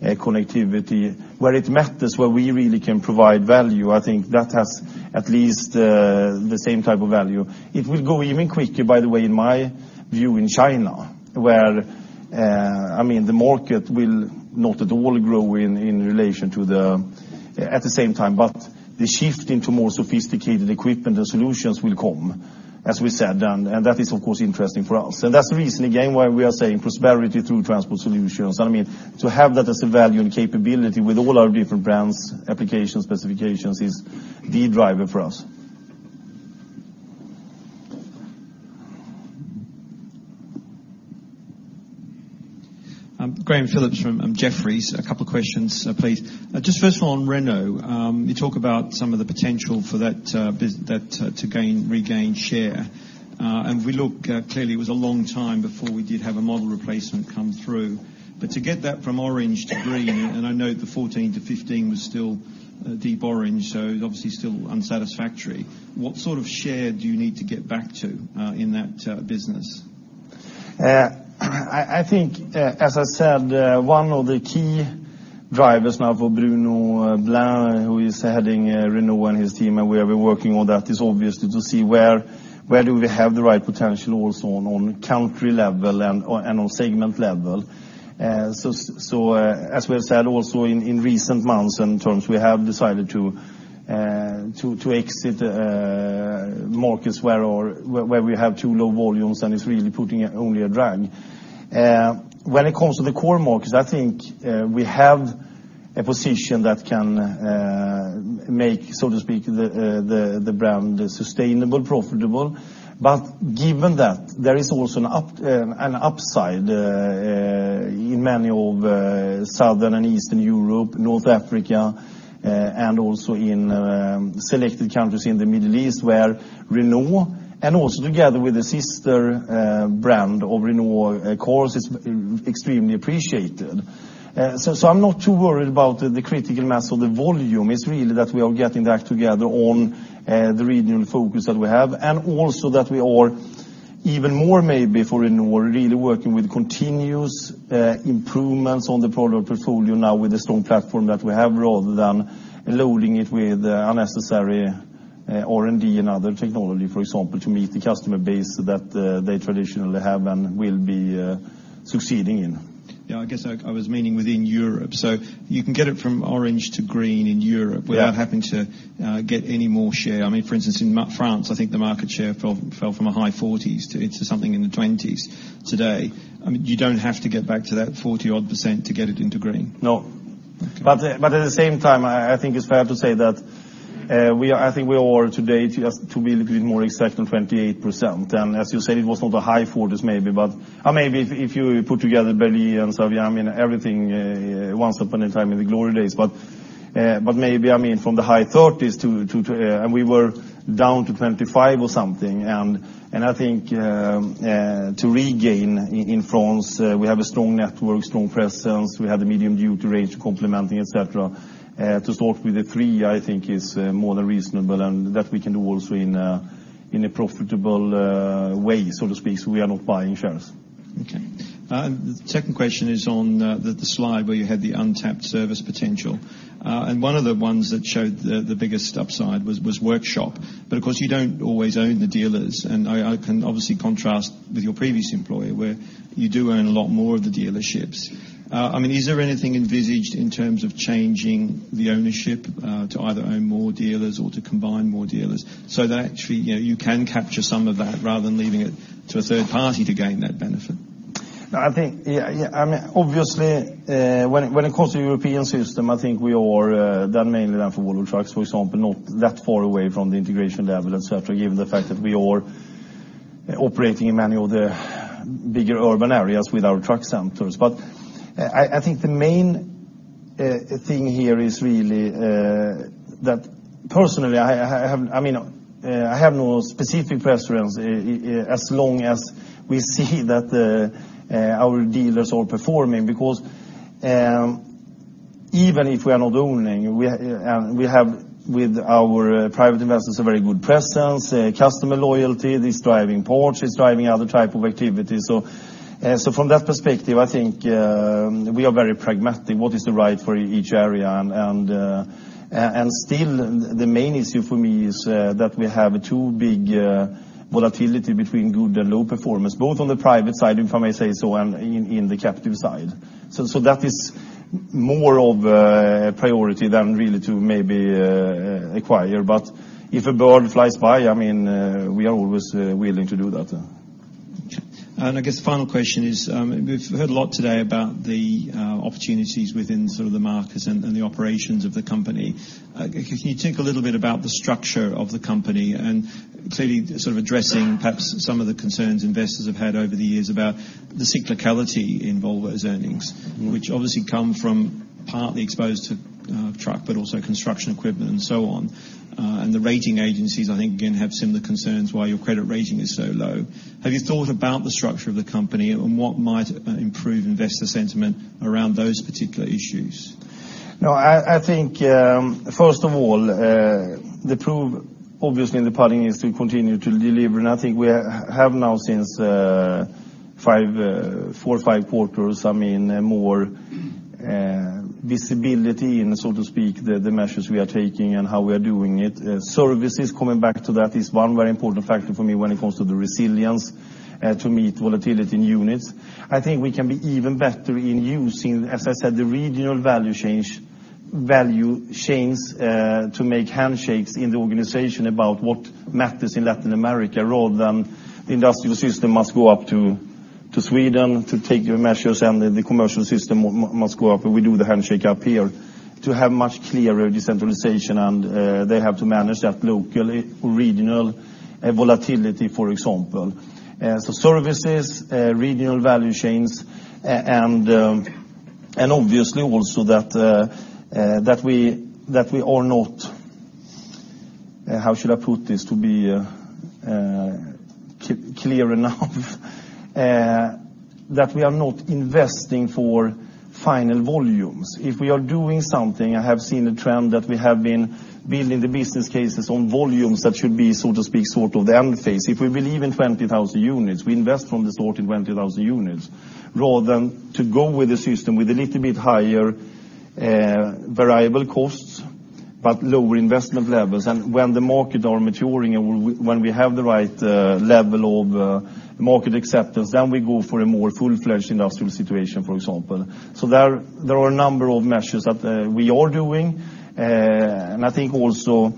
connectivity, where it matters, where we really can provide value, I think that has at least the same type of value. It will go even quicker, by the way, in my view, in China, where the market will not at all grow in relation at the same time, but the shift into more sophisticated equipment and solutions will come, as we said, and that is, of course, interesting for us. That's the reason, again, why we are saying Prosperity Through Transport Solutions. To have that as a value and capability with all our different brands, applications, specifications, is the driver for us. Graham Phillips from Jefferies. A couple of questions, please. Just first of all, on Renault. You talk about some of the potential for that to regain share. We look, clearly, it was a long time before we did have a model replacement come through. But to get that from orange to green, and I know the 2014 to 2015 was still deep orange, so obviously still unsatisfactory. What sort of share do you need to get back to in that business? I think, as I said, one of the key drivers now for Bruno Blin, who is heading Renault and his team, and we have been working on that, is obviously to see where do we have the right potential also on country level and on segment level. As we have said also in recent months and terms, we have decided to exit markets where we have too low volumes, and it's really putting only a drag. When it comes to the core markets, I think we have a position that can make, so to speak, the brand sustainable, profitable. Given that, there is also an upside in many of Southern and Eastern Europe, North Africa, and also in selected countries in the Middle East, where Renault and also together with the sister brand of Renault, Arquus, extremely appreciated. I'm not too worried about the critical mass of the volume. It's really that we are getting the act together on the regional focus that we have, and also that we are even more maybe for Renault, really working with continuous improvements on the product portfolio now with the strong platform that we have, rather than loading it with unnecessary R&D and other technology, for example, to meet the customer base that they traditionally have and will be succeeding in. I guess I was meaning within Europe. You can get it from orange to green in Europe. Yeah without having to get any more share. For instance, in France, I think the market share fell from a high 40s into something in the 20s today. You don't have to get back to that 40-odd % to get it into green. No. Okay. At the same time, I think it's fair to say that we are today, to be a little bit more exact, on 28%. As you said, it was not a high 40s, maybe. Maybe if you put together Berliet and Saviem, everything once upon a time in the glory days. Maybe, from the high 30s, and we were down to 25 or something. I think, to regain in France, we have a strong network, strong presence, we have the medium-duty range complementing, et cetera. To start with the three, I think, is more than reasonable, and that we can do also in a profitable way, so to speak. We are not buying shares. Okay. The second question is on the slide where you had the untapped service potential. One of the ones that showed the biggest upside was workshop. Of course, you don't always own the dealers, and I can obviously contrast with your previous employer, where you do own a lot more of the dealerships. Is there anything envisaged in terms of changing the ownership to either own more dealers or to combine more dealers so that actually, you can capture some of that rather than leaving it to a third party to gain that benefit? Obviously, when it comes to the European system, I think we are, that mainly done for Volvo Trucks, for example, not that far away from the integration level, et cetera, given the fact that we are operating in many of the bigger urban areas with our truck centers. I think the main thing here is really that personally, I have no specific preference as long as we see that our dealers are performing, because even if we are not owning, we have with our private investors a very good presence, customer loyalty, this driving parts, it's driving other type of activities. From that perspective, I think we are very pragmatic, what is the right for each area, and still the main issue for me is that we have too big volatility between good and low performance, both on the private side, if I may say so, and in the captive side. That is more of a priority than really to maybe acquire. If a bird flies by, we are always willing to do that. Okay. I guess the final question is, we've heard a lot today about the opportunities within the markets and the operations of the company. Can you talk a little bit about the structure of the company and clearly addressing perhaps some of the concerns investors have had over the years about the cyclicality in Volvo's earnings? Which obviously come from partly exposed to truck, but also construction equipment and so on. The rating agencies, I think, again, have similar concerns why your credit rating is so low. Have you thought about the structure of the company and what might improve investor sentiment around those particular issues? No, I think, first of all, the proof, obviously, in the pudding is to continue to deliver, and I think we have now since four or five quarters more visibility, so to speak, the measures we are taking and how we are doing it. Services, coming back to that, is one very important factor for me when it comes to the resilience to meet volatility in units. I think we can be even better in using, as I said, the regional value chains to make handshakes in the organization about what matters in Latin America, rather than the industrial system must go up to Sweden to take measures and the commercial system must go up, and we do the handshake up here to have much clearer decentralization, and they have to manage that local or regional volatility, for example. Services, regional value chains, and obviously also that we are not, how should I put this to be clear enough? That we are not investing for final volumes. If we are doing something, I have seen a trend that we have been building the business cases on volumes that should be, so to speak, sort of the end phase. If we believe in 20,000 units, we invest on the sort of 20,000 units rather than to go with a system with a little bit higher variable costs but lower investment levels. When the market are maturing and when we have the right level of market acceptance, then we go for a more full-fledged industrial situation, for example. There are a number of measures that we are doing, and I think also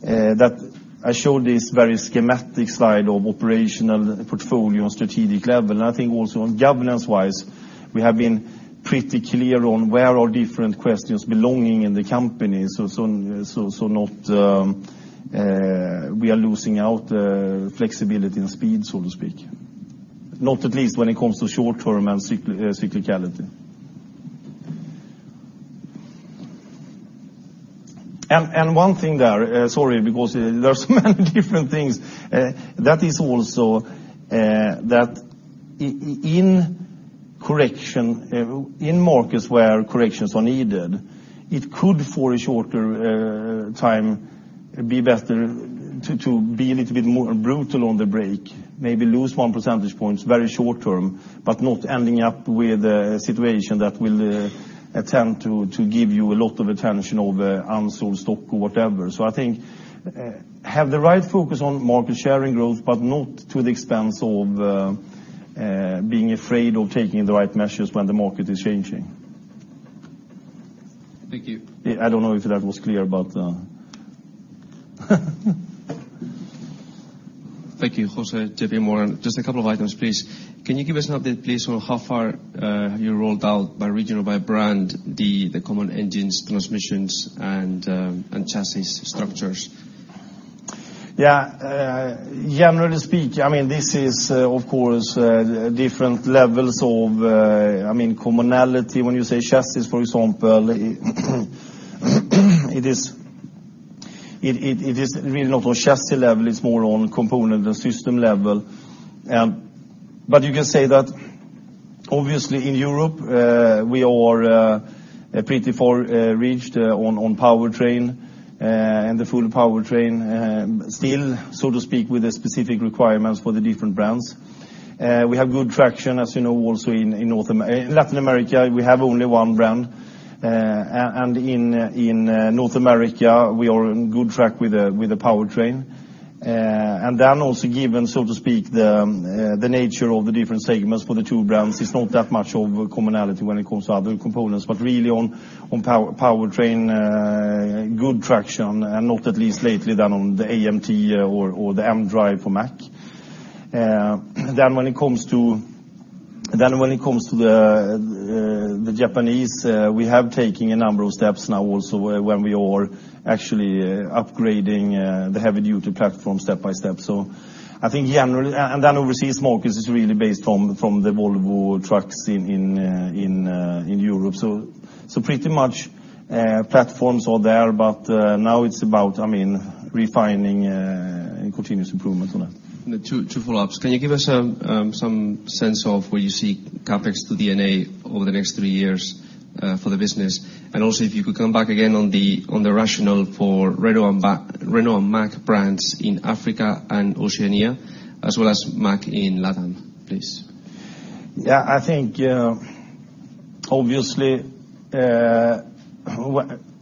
that I showed this very schematic slide of operational portfolio on strategic level, and I think also on governance-wise, we have been pretty clear on where are different questions belonging in the company. We are not losing out flexibility and speed, so to speak, not at least when it comes to short-term and cyclicality. One thing there, sorry, because there are so many different things, that is also that in markets where corrections are needed, it could, for a shorter time, be better to be a little bit more brutal on the brake, maybe lose one percentage point very short-term, but not ending up with a situation that will attempt to give you a lot of attention of unsold stock or whatever. I think have the right focus on market share and growth, but not to the expense of being afraid of taking the right measures when the market is changing. Thank you. I don't know if that was clear about the Thank you, Jose, JP Morgan. Just a couple of items, please. Can you give us an update, please, on how far you rolled out by region or by brand the common engines, transmissions, and chassis structures? Yeah. Generally speaking, this is, of course, different levels of commonality. When you say chassis, for example, it is really not on chassis level, it's more on component and system level. You can say that obviously in Europe, we are pretty far reached on powertrain, and the full powertrain, still, so to speak, with the specific requirements for the different brands. We have good traction as you know also in Latin America, we have only one brand. In North America, we are on good track with the powertrain. Also given, so to speak, the nature of the different segments for the two brands, it's not that much of a commonality when it comes to other components. Really on powertrain, good traction, and not at least lately than on the AMT or the mDRIVE for Mack. When it comes to the Japanese, we have taken a number of steps now also where we are actually upgrading the heavy-duty platform step by step. I think generally overseas markets is really based from the Volvo Trucks in Europe. Pretty much platforms are there, but now it's about refining and continuous improvement on it. Two follow-ups. Can you give us some sense of where you see CapEx to D&A over the next three years for the business? Also, if you could come back again on the rationale for Renault and Mack brands in Africa and Oceania, as well as Mack in LATAM, please. Yeah, I think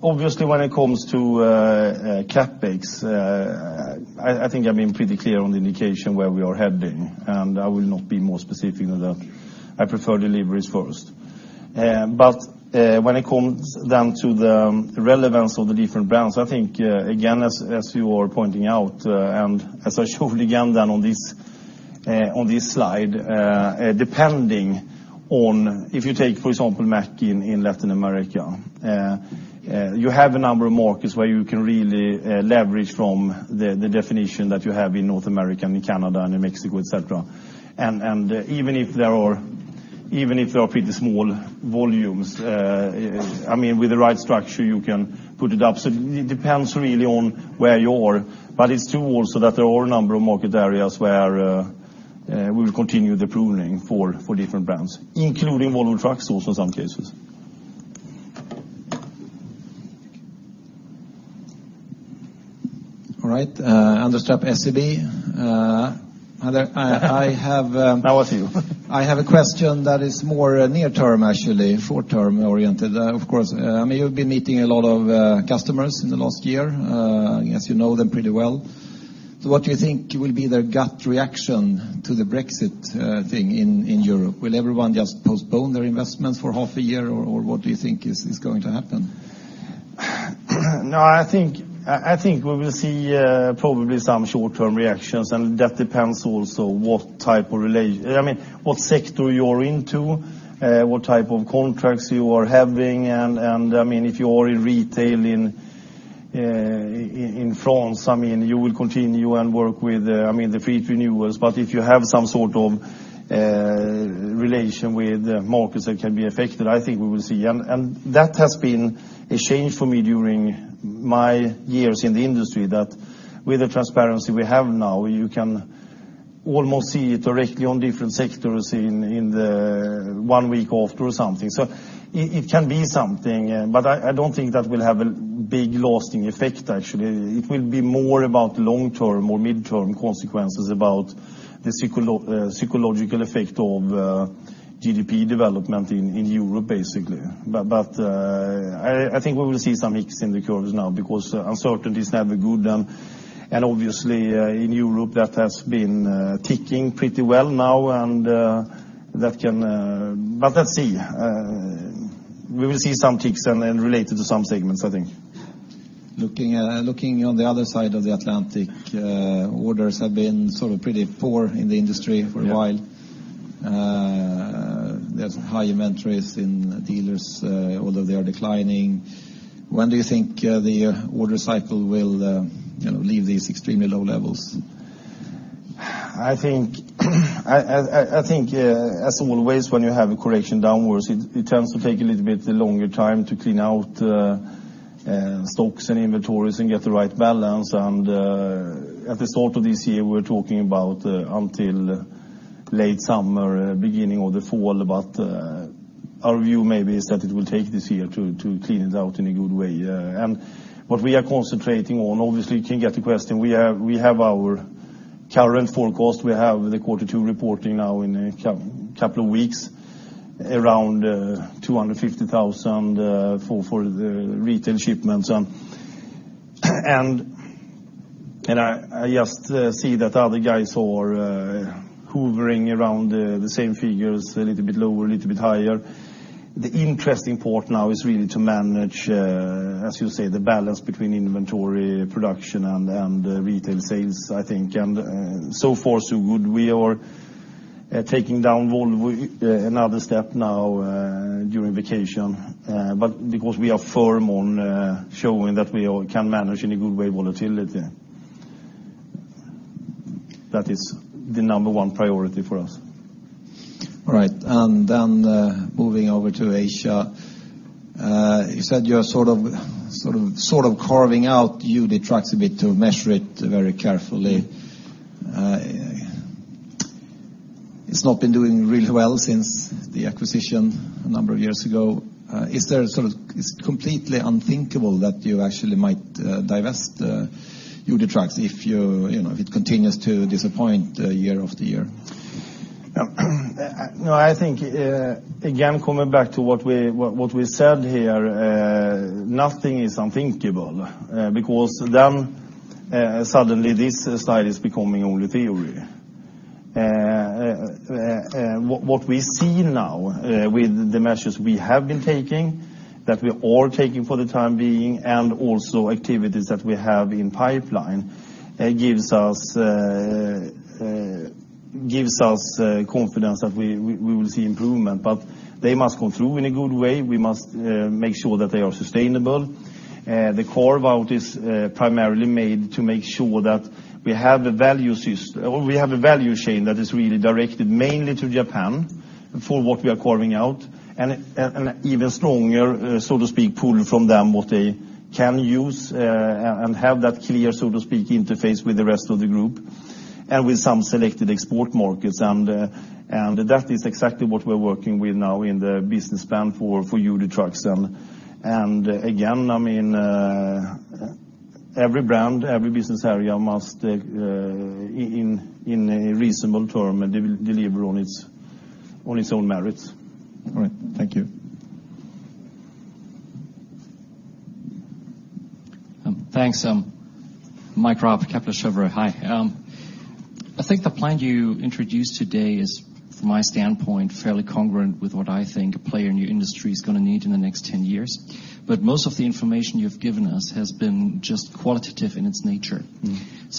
obviously when it comes to CapEx, I think I've been pretty clear on the indication where we are heading. I will not be more specific than that. I prefer deliveries first. When it comes down to the relevance of the different brands, I think, again, as you are pointing out, as I showed again on this slide, depending on if you take, for example, Mack in Latin America you have a number of markets where you can really leverage from the definition that you have in North America and in Canada and in Mexico, et cetera. Even if there are pretty small volumes, with the right structure, you can put it up. It depends really on where you are. It's true also that there are a number of market areas where we will continue the pruning for different brands, including Volvo Trucks, also in some cases. All right. Anders Trapp, SEB. Now it's you. I have a question that is more near term, actually, short term oriented. Of course, you've been meeting a lot of customers in the last year. I guess you know them pretty well. What do you think will be their gut reaction to the Brexit in Europe? Will everyone just postpone their investments for half a year, or what do you think is going to happen? I think we will see probably some short-term reactions, that depends also what sector you're into, what type of contracts you are having, if you are in retail in France, you will continue and work with the fleet renewals. If you have some sort of relation with markets that can be affected, I think we will see. That has been a change for me during my years in the industry, that with the transparency we have now, you can almost see it directly on different sectors in the one week after or something. It can be something, but I don't think that will have a big lasting effect, actually. It will be more about long-term or mid-term consequences about the psychological effect of GDP development in Europe, basically. I think we will see some hiccups in the curves now because uncertainty is never good, obviously in Europe, that has been ticking pretty well now. Let's see. We will see some ticks related to some segments, I think. Looking on the other side of the Atlantic, orders have been pretty poor in the industry for a while. Yeah. There's high inventories in dealers, although they are declining. When do you think the order cycle will leave these extremely low levels? I think as always, when you have a correction downwards, it tends to take a little bit longer time to clean out stocks and inventories and get the right balance. At the start of this year, we're talking about until late summer, beginning of the fall, our view maybe is that it will take this year to clean it out in a good way. What we are concentrating on, obviously you can get the question, we have our current forecast, we have the quarter two reporting now in a couple of weeks, around 250,000 for the retail shipments. I just see that the other guys are hovering around the same figures, a little bit lower, a little bit higher. The interesting part now is really to manage, as you say, the balance between inventory, production and retail sales, I think. So far, so good. We are taking down volume another step now during vacation, because we are firm on showing that we can manage volatility in a good way. That is the number one priority for us. All right. Moving over to Asia. You said you are sort of carving out UD Trucks a bit to measure it very carefully. It's not been doing really well since the acquisition a number of years ago. Is it completely unthinkable that you actually might divest UD Trucks if it continues to disappoint year after year? No, I think, again, coming back to what we said here, nothing is unthinkable, because then suddenly this slide is becoming only theory. What we see now with the measures we have been taking, that we are taking for the time being, and also activities that we have in pipeline, gives us confidence that we will see improvement, but they must come through in a good way. We must make sure that they are sustainable. The core of it is primarily made to make sure that we have a value chain that is really directed mainly to Japan for what we are carving out, and an even stronger, so to speak, pull from them what they can use, and have that clear, so to speak, interface with the rest of the group and with some selected export markets. That is exactly what we're working with now in the business plan for UD Trucks. Again, every brand, every business area, must in a reasonable term, deliver on its own merits. All right. Thank you. Thanks. Mike Robb, Kepler Cheuvreux. Hi. I think the plan you introduced today is, from my standpoint, fairly congruent with what I think a player in your industry is going to need in the next 10 years. Most of the information you've given us has been just qualitative in its nature.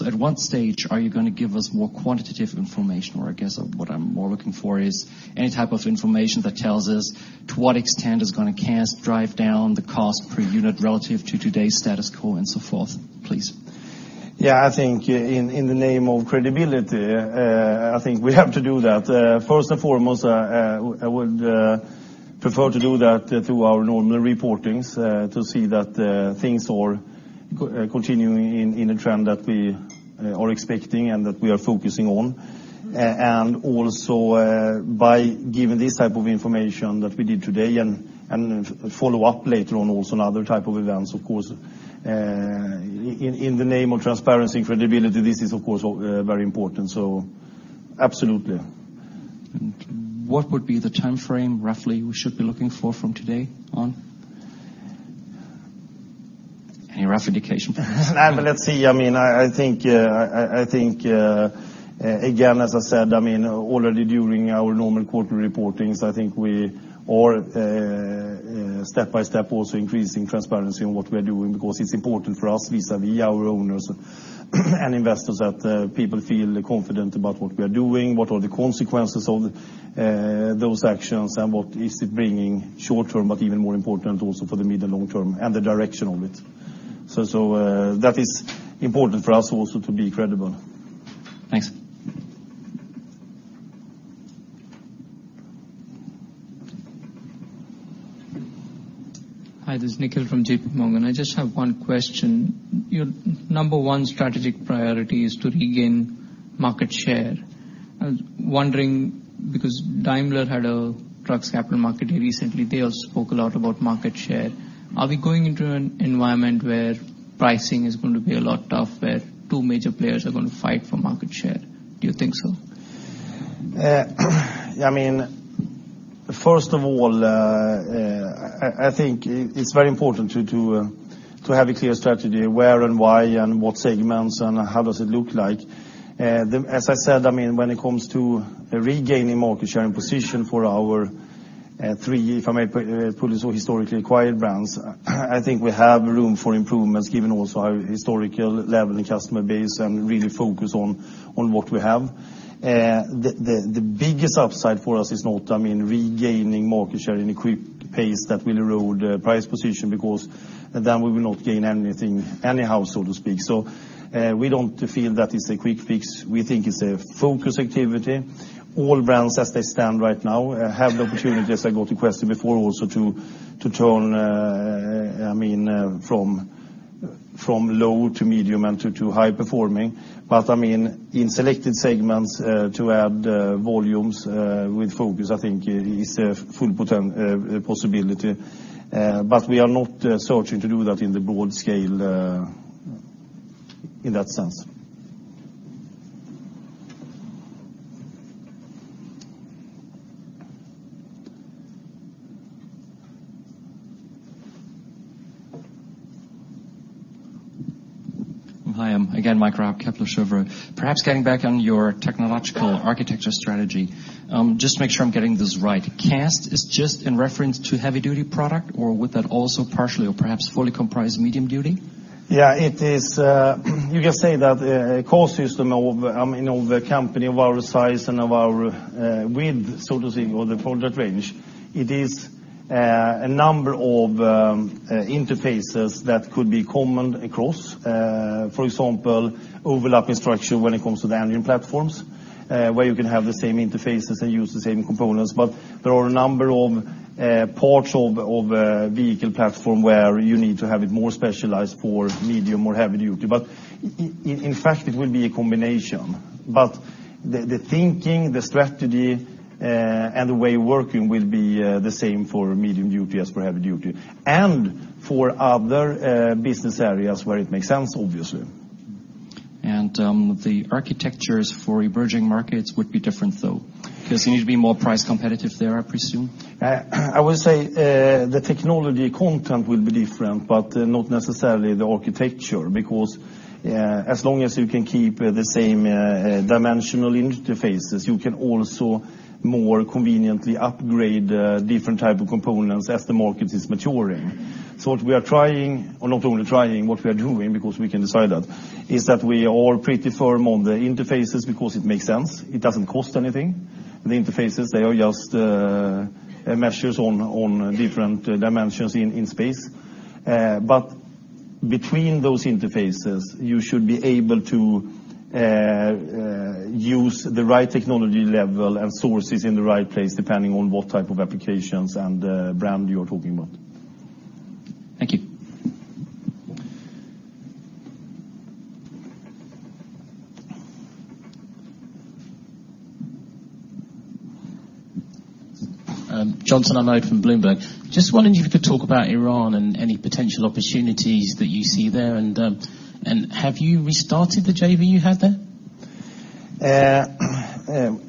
At what stage are you going to give us more quantitative information? Or I guess what I'm more looking for is any type of information that tells us to what extent is going to drive down the cost per unit relative to today's status quo and so forth, please? Yeah, I think in the name of credibility, I think we have to do that. First and foremost, I would prefer to do that through our normal reportings to see that things are continuing in a trend that we are expecting and that we are focusing on. Also, by giving this type of information that we did today and follow up later on also in other type of events, of course, in the name of transparency and credibility, this is of course very important. Absolutely. What would be the timeframe, roughly, we should be looking for from today on? Any rough indication for us? Let's see. I think, again, as I said, already during our normal quarterly reportings, I think we are step by step also increasing transparency on what we are doing because it's important for us vis-à-vis our owners and investors that people feel confident about what we are doing, what are the consequences of those actions, and what is it bringing short term, but even more important also for the medium, long term, and the direction of it. That is important for us also to be credible. Thanks. Hi, this is Nikhil from JP Morgan. I just have one question. Your number one strategic priority is to regain market share. I was wondering, because Daimler Truck had a trucks capital market day recently, they also spoke a lot about market share. Are we going into an environment where pricing is going to be a lot tougher, two major players are going to fight for market share? Do you think so? First of all, I think it's very important to have a clear strategy, where and why and what segments and how does it look like. As I said, when it comes to regaining market share and position for our three, if I may put it so, historically acquired brands, I think we have room for improvements given also our historical level and customer base and really focus on what we have. The biggest upside for us is not regaining market share in a quick pace that will erode price position because then we will not gain anything anyhow, so to speak. We don't feel that it's a quick fix. We think it's a focus activity. All brands, as they stand right now, have the opportunity, as I got a question before, also to turn from low to medium and to high performing. In selected segments, to add volumes with focus, I think is a full possibility. We are not searching to do that in the broad scale in that sense. Hi, I'm Mike Robb, Kepler Cheuvreux. Perhaps getting back on your technological architecture strategy. Just to make sure I'm getting this right, CAST is just in reference to heavy-duty product or would that also partially or perhaps fully comprise medium duty? Yeah. You can say that a core system of a company of our size and of our width, so to speak, or the product range, it is a number of interfaces that could be common across. For example, overlapping structure when it comes to the engine platforms, where you can have the same interfaces and use the same components. There are a number of parts of the vehicle platform where you need to have it more specialized for medium or heavy duty. In fact, it will be a combination. The thinking, the strategy, and the way of working will be the same for medium duty as for heavy duty, and for other business areas where it makes sense, obviously. The architectures for emerging markets would be different though? Because you need to be more price competitive there, I presume. I would say the technology content will be different, but not necessarily the architecture. As long as you can keep the same dimensional interfaces, you can also more conveniently upgrade different type of components as the market is maturing. What we are trying, or not only trying, what we are doing, because we can decide that, is that we are pretty firm on the interfaces because it makes sense. It doesn't cost anything. The interfaces, they are just measures on different dimensions in space. Between those interfaces, you should be able to use the right technology level and sources in the right place, depending on what type of applications and brand you are talking about. Thank you. Johnson Amoak from Bloomberg. Just wondering if you could talk about Iran and any potential opportunities that you see there, and have you restarted the JV you had there?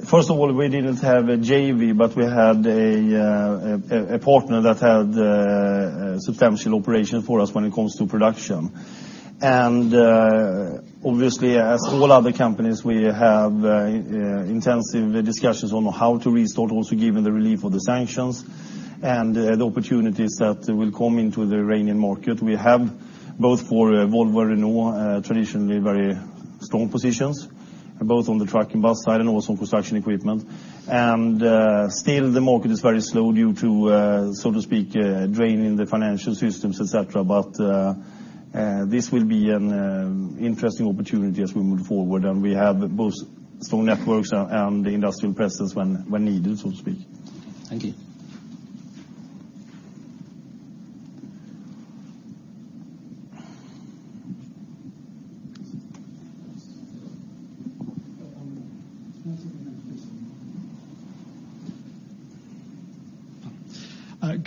First of all, we didn't have a JV, but we had a partner that had substantial operation for us when it comes to production. Obviously, as all other companies, we have intensive discussions on how to restart also given the relief of the sanctions and the opportunities that will come into the Iranian market. We have, both for Volvo and Renault, traditionally very strong positions, both on the truck and bus side and also construction equipment. Still the market is very slow due to, so to speak, draining the financial systems, et cetera. This will be an interesting opportunity as we move forward, and we have both strong networks and the industrial presence when needed, so to speak. Thank you.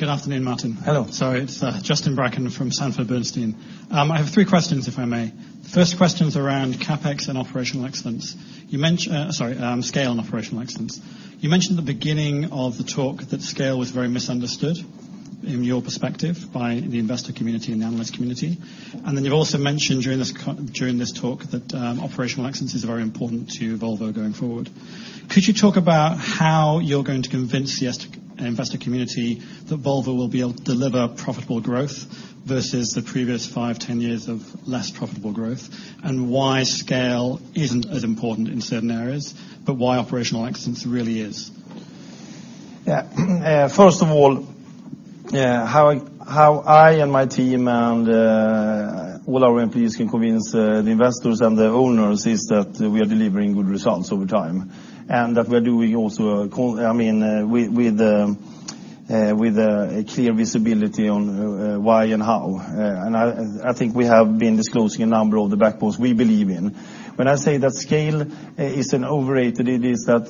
Good afternoon, Martin. Hello. Sorry, it is Justin Bracken from Sanford C. Bernstein. I have three questions, if I may. First question is around CapEx and operational excellence. Sorry, scale and operational excellence. You mentioned at the beginning of the talk that scale was very misunderstood, in your perspective, by the investor community and the analyst community. You have also mentioned during this talk that operational excellence is very important to Volvo going forward. Could you talk about how you are going to convince the investor community that Volvo will be able to deliver profitable growth versus the previous five, 10 years of less profitable growth, and why scale isn't as important in certain areas, why operational excellence really is? First of all, how I and my team and all our employees can convince the investors and the owners is that we are delivering good results over time, and that we are doing also, with a clear visibility on why and how. I think we have been disclosing a number of the backbones we believe in. When I say that scale is overrated,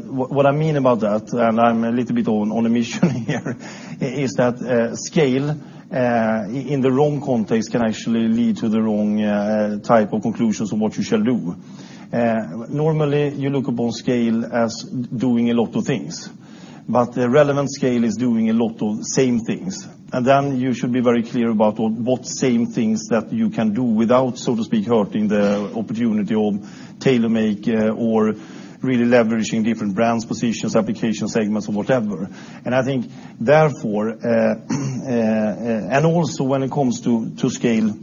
what I mean about that, I am a little bit on a mission here, is that scale, in the wrong context, can actually lead to the wrong type of conclusions on what you shall do. Normally, you look upon scale as doing a lot of things. Relevant scale is doing a lot of same things. You should be very clear about what same things that you can do without, so to speak, hurting the opportunity of tailor-make or really leveraging different brands, positions, application segments, or whatever. I think therefore, also when it comes to scale,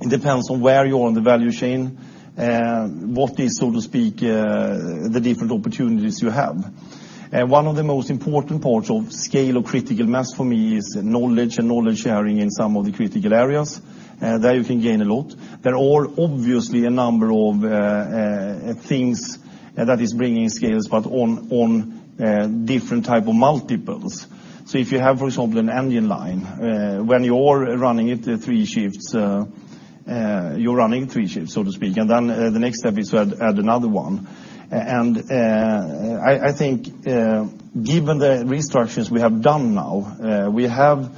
it depends on where you are in the value chain, what is, so to speak, the different opportunities you have. One of the most important parts of scale or critical mass for me is knowledge and knowledge sharing in some of the critical areas. There you can gain a lot. There are obviously a number of things that is bringing scales, but on different type of multiples. If you have, for example, an engine line, when you are running it three shifts, you are running three shifts, so to speak. The next step is to add another one. I think given the restructures we have done now, we have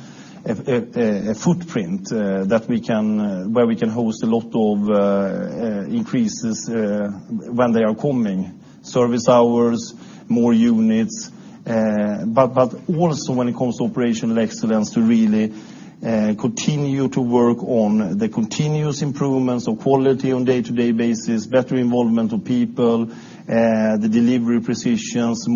a footprint where we can host a lot of increases when they are coming. Service hours, more units. Also when it comes to operational excellence to really continue to work on the continuous improvements of quality on day-to-day basis, better involvement of people, the delivery precisions,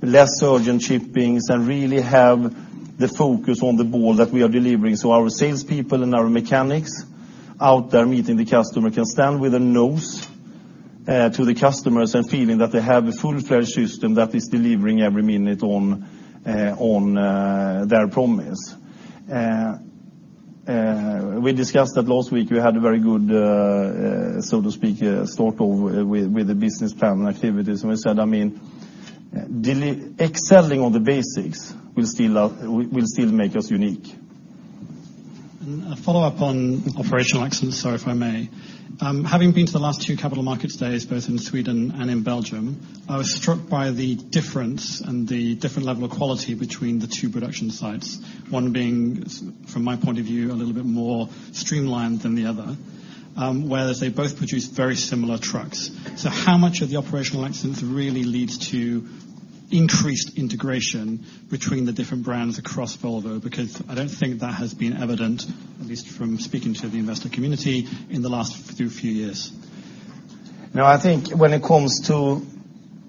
less urgent shippings, and really have the focus on the ball that we are delivering so our salespeople and our mechanics out there meeting the customer can stand with a nose to the customers and feeling that they have a full-fledged system that is delivering every minute on their promise. We discussed that last week. We had a very good, so to speak, start off with the business plan activities. We said, excelling on the basics will still make us unique. A follow-up on operational excellence, sorry, if I may. Having been to the last two capital markets days, both in Sweden and in Belgium, I was struck by the difference and the different level of quality between the two production sites. One being, from my point of view, a little bit more streamlined than the other, whereas they both produce very similar trucks. How much of the operational excellence really leads to increased integration between the different brands across Volvo? I don't think that has been evident, at least from speaking to the investor community, in the last few years. No, I think when it comes to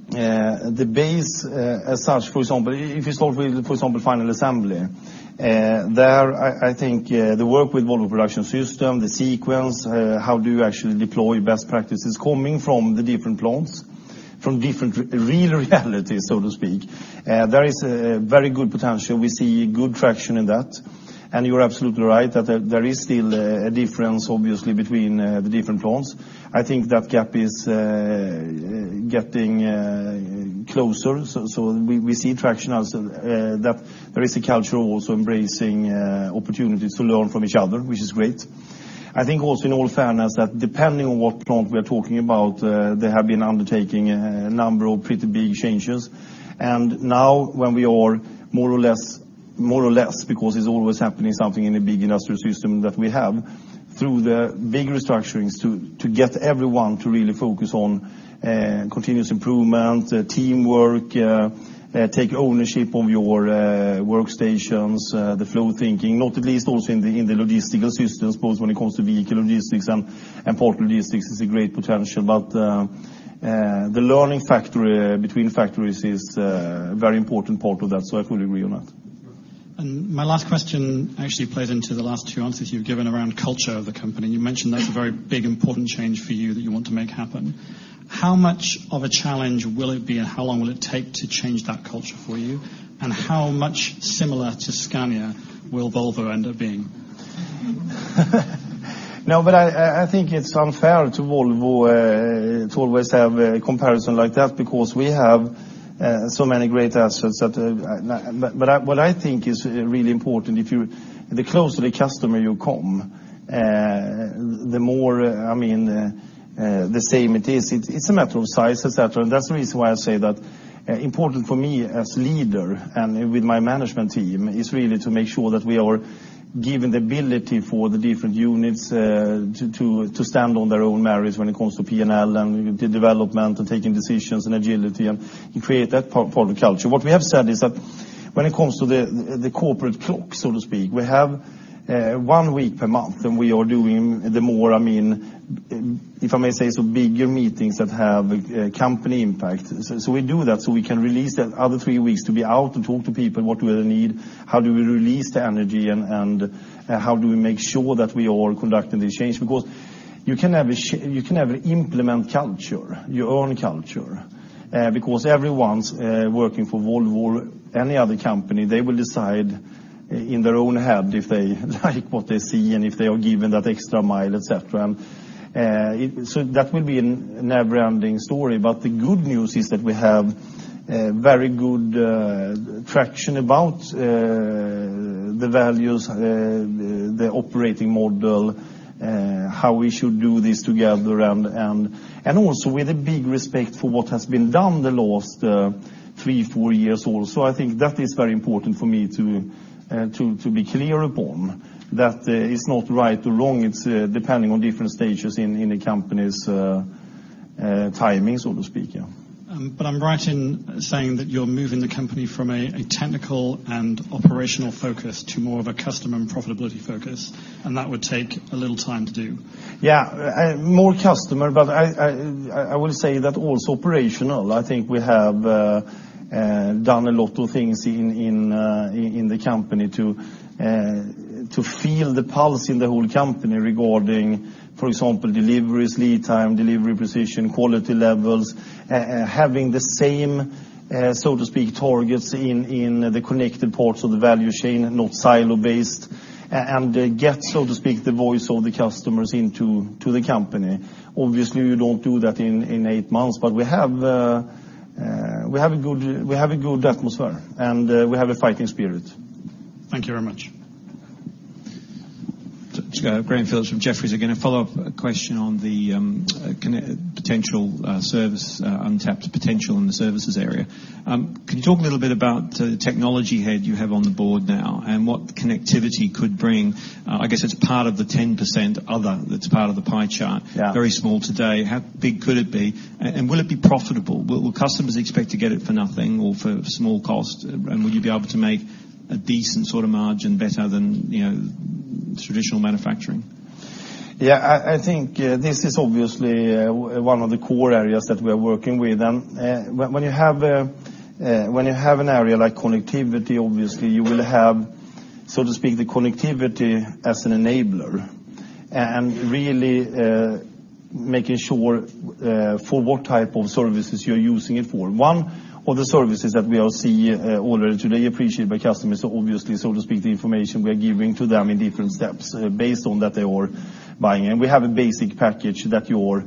the base as such, for example, if you start with, for example, final assembly. There, I think, the work with Volvo Production System, the sequence, how do you actually deploy best practices coming from the different plants, from different real realities, so to speak. There is a very good potential. We see good traction in that. You're absolutely right, that there is still a difference, obviously, between the different plants. I think that gap is getting closer. We see traction as that there is a culture also embracing opportunities to learn from each other, which is great. I think also in all fairness, that depending on what plant we are talking about, they have been undertaking a number of pretty big changes. Now when we are more or less, because it's always happening something in a big industrial system that we have, through the big restructurings to get everyone to really focus on continuous improvement, teamwork, take ownership of your workstations, the flow thinking. Not at least also in the logistical systems, both when it comes to vehicle logistics and port logistics, it's a great potential. The learning factory between factories is a very important part of that, so I fully agree on that. My last question actually plays into the last two answers you've given around culture of the company. You mentioned that's a very big, important change for you that you want to make happen. How much of a challenge will it be, and how long will it take to change that culture for you? How much similar to Scania will Volvo end up being? I think it's unfair to Volvo to always have a comparison like that because we have so many great assets. What I think is really important, the closer the customer you come, the more the same it is. It's a matter of size, et cetera. That's the reason why I say that important for me as leader and with my management team is really to make sure that we are given the ability for the different units to stand on their own merits when it comes to P&L, and the development, and taking decisions, and agility, and you create that part of the culture. We have said is that when it comes to the corporate clock, so to speak, we have one week per month, and we are doing the more, if I may say, bigger meetings that have company impact. We do that so we can release that other three weeks to be out and talk to people, what do they need, how do we release the energy, and how do we make sure that we are conducting the change? You can never implement culture, your own culture. Everyone's working for Volvo or any other company, they will decide in their own head if they like what they see and if they are given that extra mile, et cetera. That will be a never-ending story. The good news is that we have very good traction about the values, the operating model, how we should do this together, and also with a big respect for what has been done the last three, four years also. I think that is very important for me to be clear upon, that it's not right or wrong. It's depending on different stages in the company's timing, so to speak, yeah. I'm right in saying that you're moving the company from a technical and operational focus to more of a customer and profitability focus, and that would take a little time to do. Yeah. More customer, I will say that also operational. I think we have done a lot of things in the company to feel the pulse in the whole company regarding, for example, deliveries, lead time, delivery precision, quality levels, having the same, so to speak, targets in the connected parts of the value chain, not silo based. Get, so to speak, the voice of the customers into the company. Obviously, you don't do that in eight months, we have a good atmosphere, and we have a fighting spirit. Thank you very much. Graham Phillips from Jefferies. Again, a follow-up question on the untapped potential in the services area. Can you talk a little bit about the technology head you have on the board now, and what connectivity could bring? I guess it's part of the 10% other that's part of the pie chart. Yeah. Very small today. How big could it be? Will it be profitable? Will customers expect to get it for nothing or for small cost? Will you be able to make a decent sort of margin better than Traditional manufacturing? Yeah. I think this is obviously one of the core areas that we're working with. When you have an area like connectivity, obviously you will have, so to speak, the connectivity as an enabler and really making sure for what type of services you're using it for. One of the services that we see already today appreciated by customers, obviously, so to speak, the information we are giving to them in different steps based on that they are buying. We have a basic package that you're,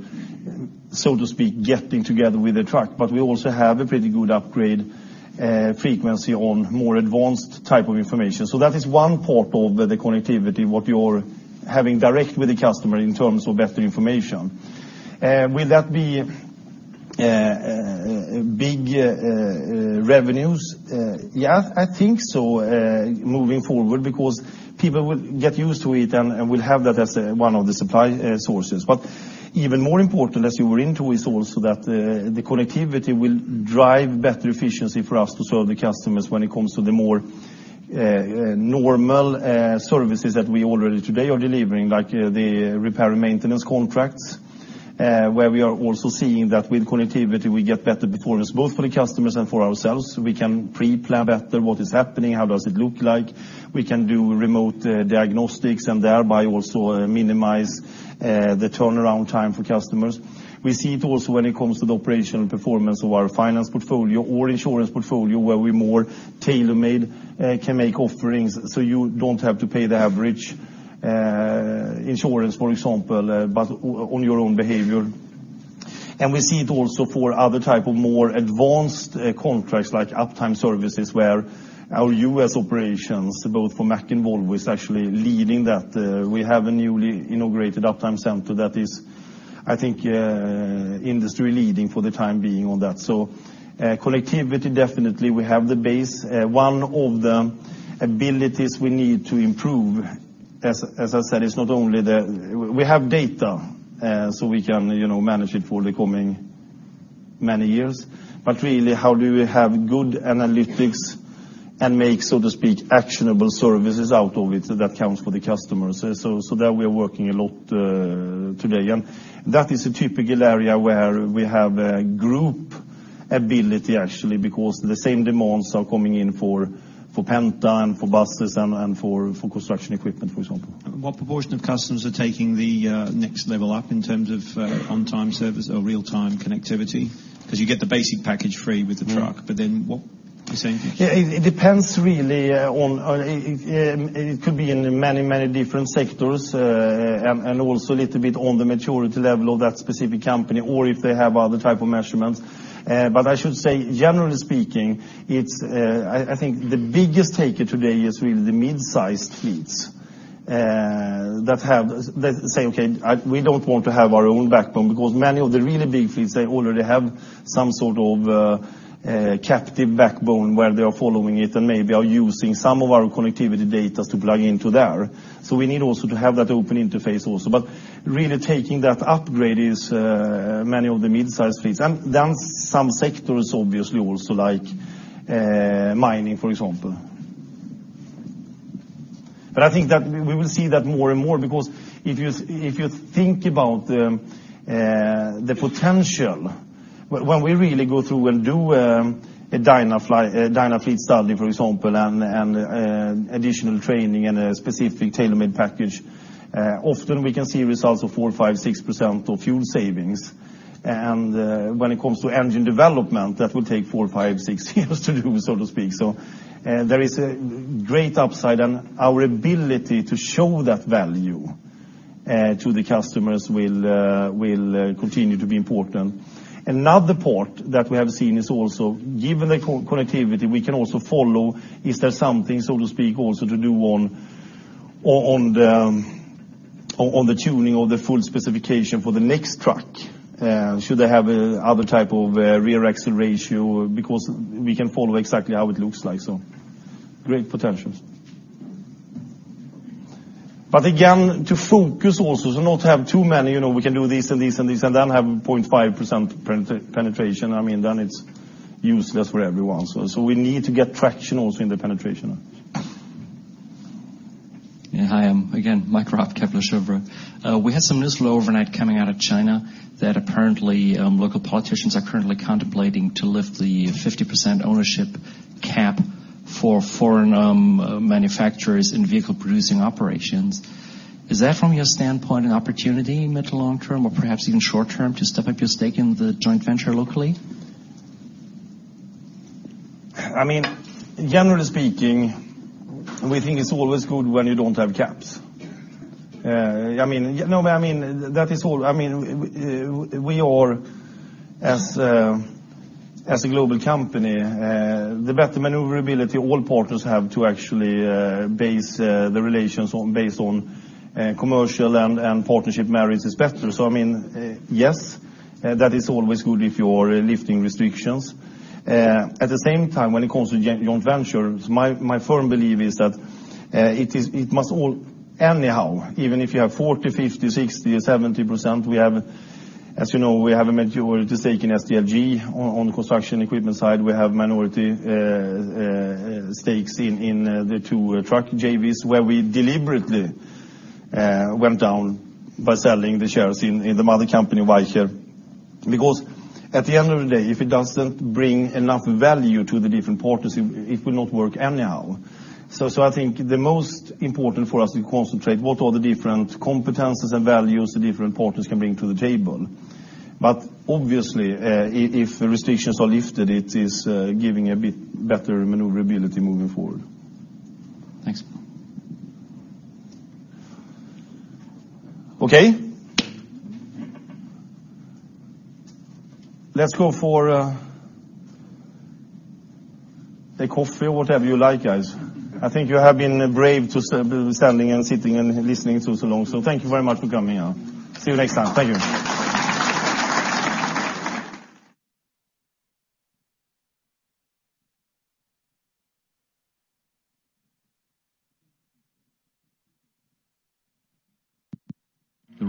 so to speak, getting together with the truck. We also have a pretty good upgrade frequency on more advanced type of information. That is one part of the connectivity, what you're having direct with the customer in terms of better information. Will that be big revenues? Yeah, I think so moving forward, because people will get used to it, and will have that as one of the supply sources. Even more important, as you were into is also that the connectivity will drive better efficiency for us to serve the customers when it comes to the more normal services that we already today are delivering, like the repair and maintenance contracts, where we are also seeing that with connectivity, we get better performance both for the customers and for ourselves. We can pre-plan better what is happening, how does it look like, we can do remote diagnostics and thereby also minimize the turnaround time for customers. We see it also when it comes to the operational performance of our finance portfolio or insurance portfolio, where we more tailor-made can make offerings so you don't have to pay the average insurance, for example, but on your own behavior. We see it also for other type of more advanced contracts like uptime services, where our U.S. operations, both for Mack Trucks and Volvo Trucks, is actually leading that. We have a newly integrated uptime center that is, I think, industry leading for the time being on that. Connectivity, definitely we have the base. One of the abilities we need to improve, as I said, we have data, so we can manage it for the coming many years. Really, how do we have good analytics and make, so to speak, actionable services out of it that counts for the customers? There we are working a lot today, and that is a typical area where we have group ability, actually, because the same demands are coming in for Volvo Penta and for Volvo Buses and for Volvo Construction Equipment, for example. What proportion of customers are taking the next level up in terms of on-time service or real-time connectivity? You get the basic package free with the truck, but then you were saying? Yeah, it depends really. It could be in many different sectors, and also a little bit on the maturity level of that specific company or if they have other type of measurements. I should say, generally speaking, I think the biggest taker today is really the mid-sized fleets that say, "Okay, we don't want to have our own backbone," because many of the really big fleets, they already have some sort of captive backbone where they are following it and maybe are using some of our connectivity data to plug into there. We need also to have that open interface also. Really taking that upgrade is many of the mid-size fleets and then some sectors, obviously also like mining, for example. I think that we will see that more and more because if you think about the potential when we really go through and do a Dynafleet study, for example, and additional training and a specific tailor-made package. Often we can see results of 4%, 5%, 6% of fuel savings. When it comes to engine development, that will take four, five, six years to do, so to speak. There is a great upside in our ability to show that value to the customers will continue to be important. Another part that we have seen is also given the connectivity, we can also follow, is there something, so to speak, also to do on the tuning of the full specification for the next truck? Should they have other type of rear axle ratio? We can follow exactly how it looks like. Great potentials. Again, to focus also to not have too many, we can do this and this and this, and then have 0.5% penetration. It's useless for everyone. We need to get traction also in the penetration. Yeah. Hi, again, Mike Robb, Kepler Cheuvreux. We had some news flow overnight coming out of China that apparently local politicians are currently contemplating to lift the 50% ownership cap for foreign manufacturers in vehicle producing operations. Is that, from your standpoint, an opportunity in mid to long term or perhaps even short term to step up your stake in the joint venture locally? Generally speaking, we think it's always good when you don't have caps. We are, as a global company, the better maneuverability all partners have to actually base the relations based on commercial and partnership merits is better. Yes, that is always good if you are lifting restrictions. At the same time, when it comes to joint ventures, my firm belief is that it must all anyhow, even if you have 40%, 50%, 60%, 70%, as you know, we have a majority stake in SDLG on the construction equipment side. We have minority stakes in the two truck JVs, where we deliberately went down by selling the shares in the mother company, Weichai. Because at the end of the day, if it doesn't bring enough value to the different parties, it will not work anyhow. I think the most important for us to concentrate what are the different competencies and values the different partners can bring to the table. Obviously, if restrictions are lifted, it is giving a bit better maneuverability moving forward. Thanks. Okay. Let's go for a coffee or whatever you like, guys. I think you have been brave to standing and sitting and listening to so long. Thank you very much for coming. See you next time. Thank you.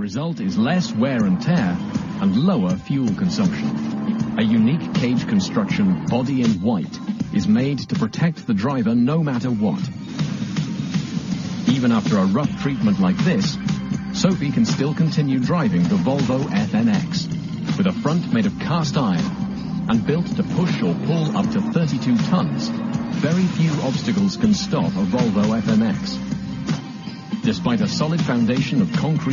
The result is less wear and tear and lower fuel consumption. A unique cage construction body in white is made to protect the driver no matter what. Even after a rough treatment like this, Sophie can still continue driving the Volvo FMX. With a front made of cast iron and built to push or pull up to 32 tons, very few obstacles can stop a Volvo FMX. Despite a solid foundation of concrete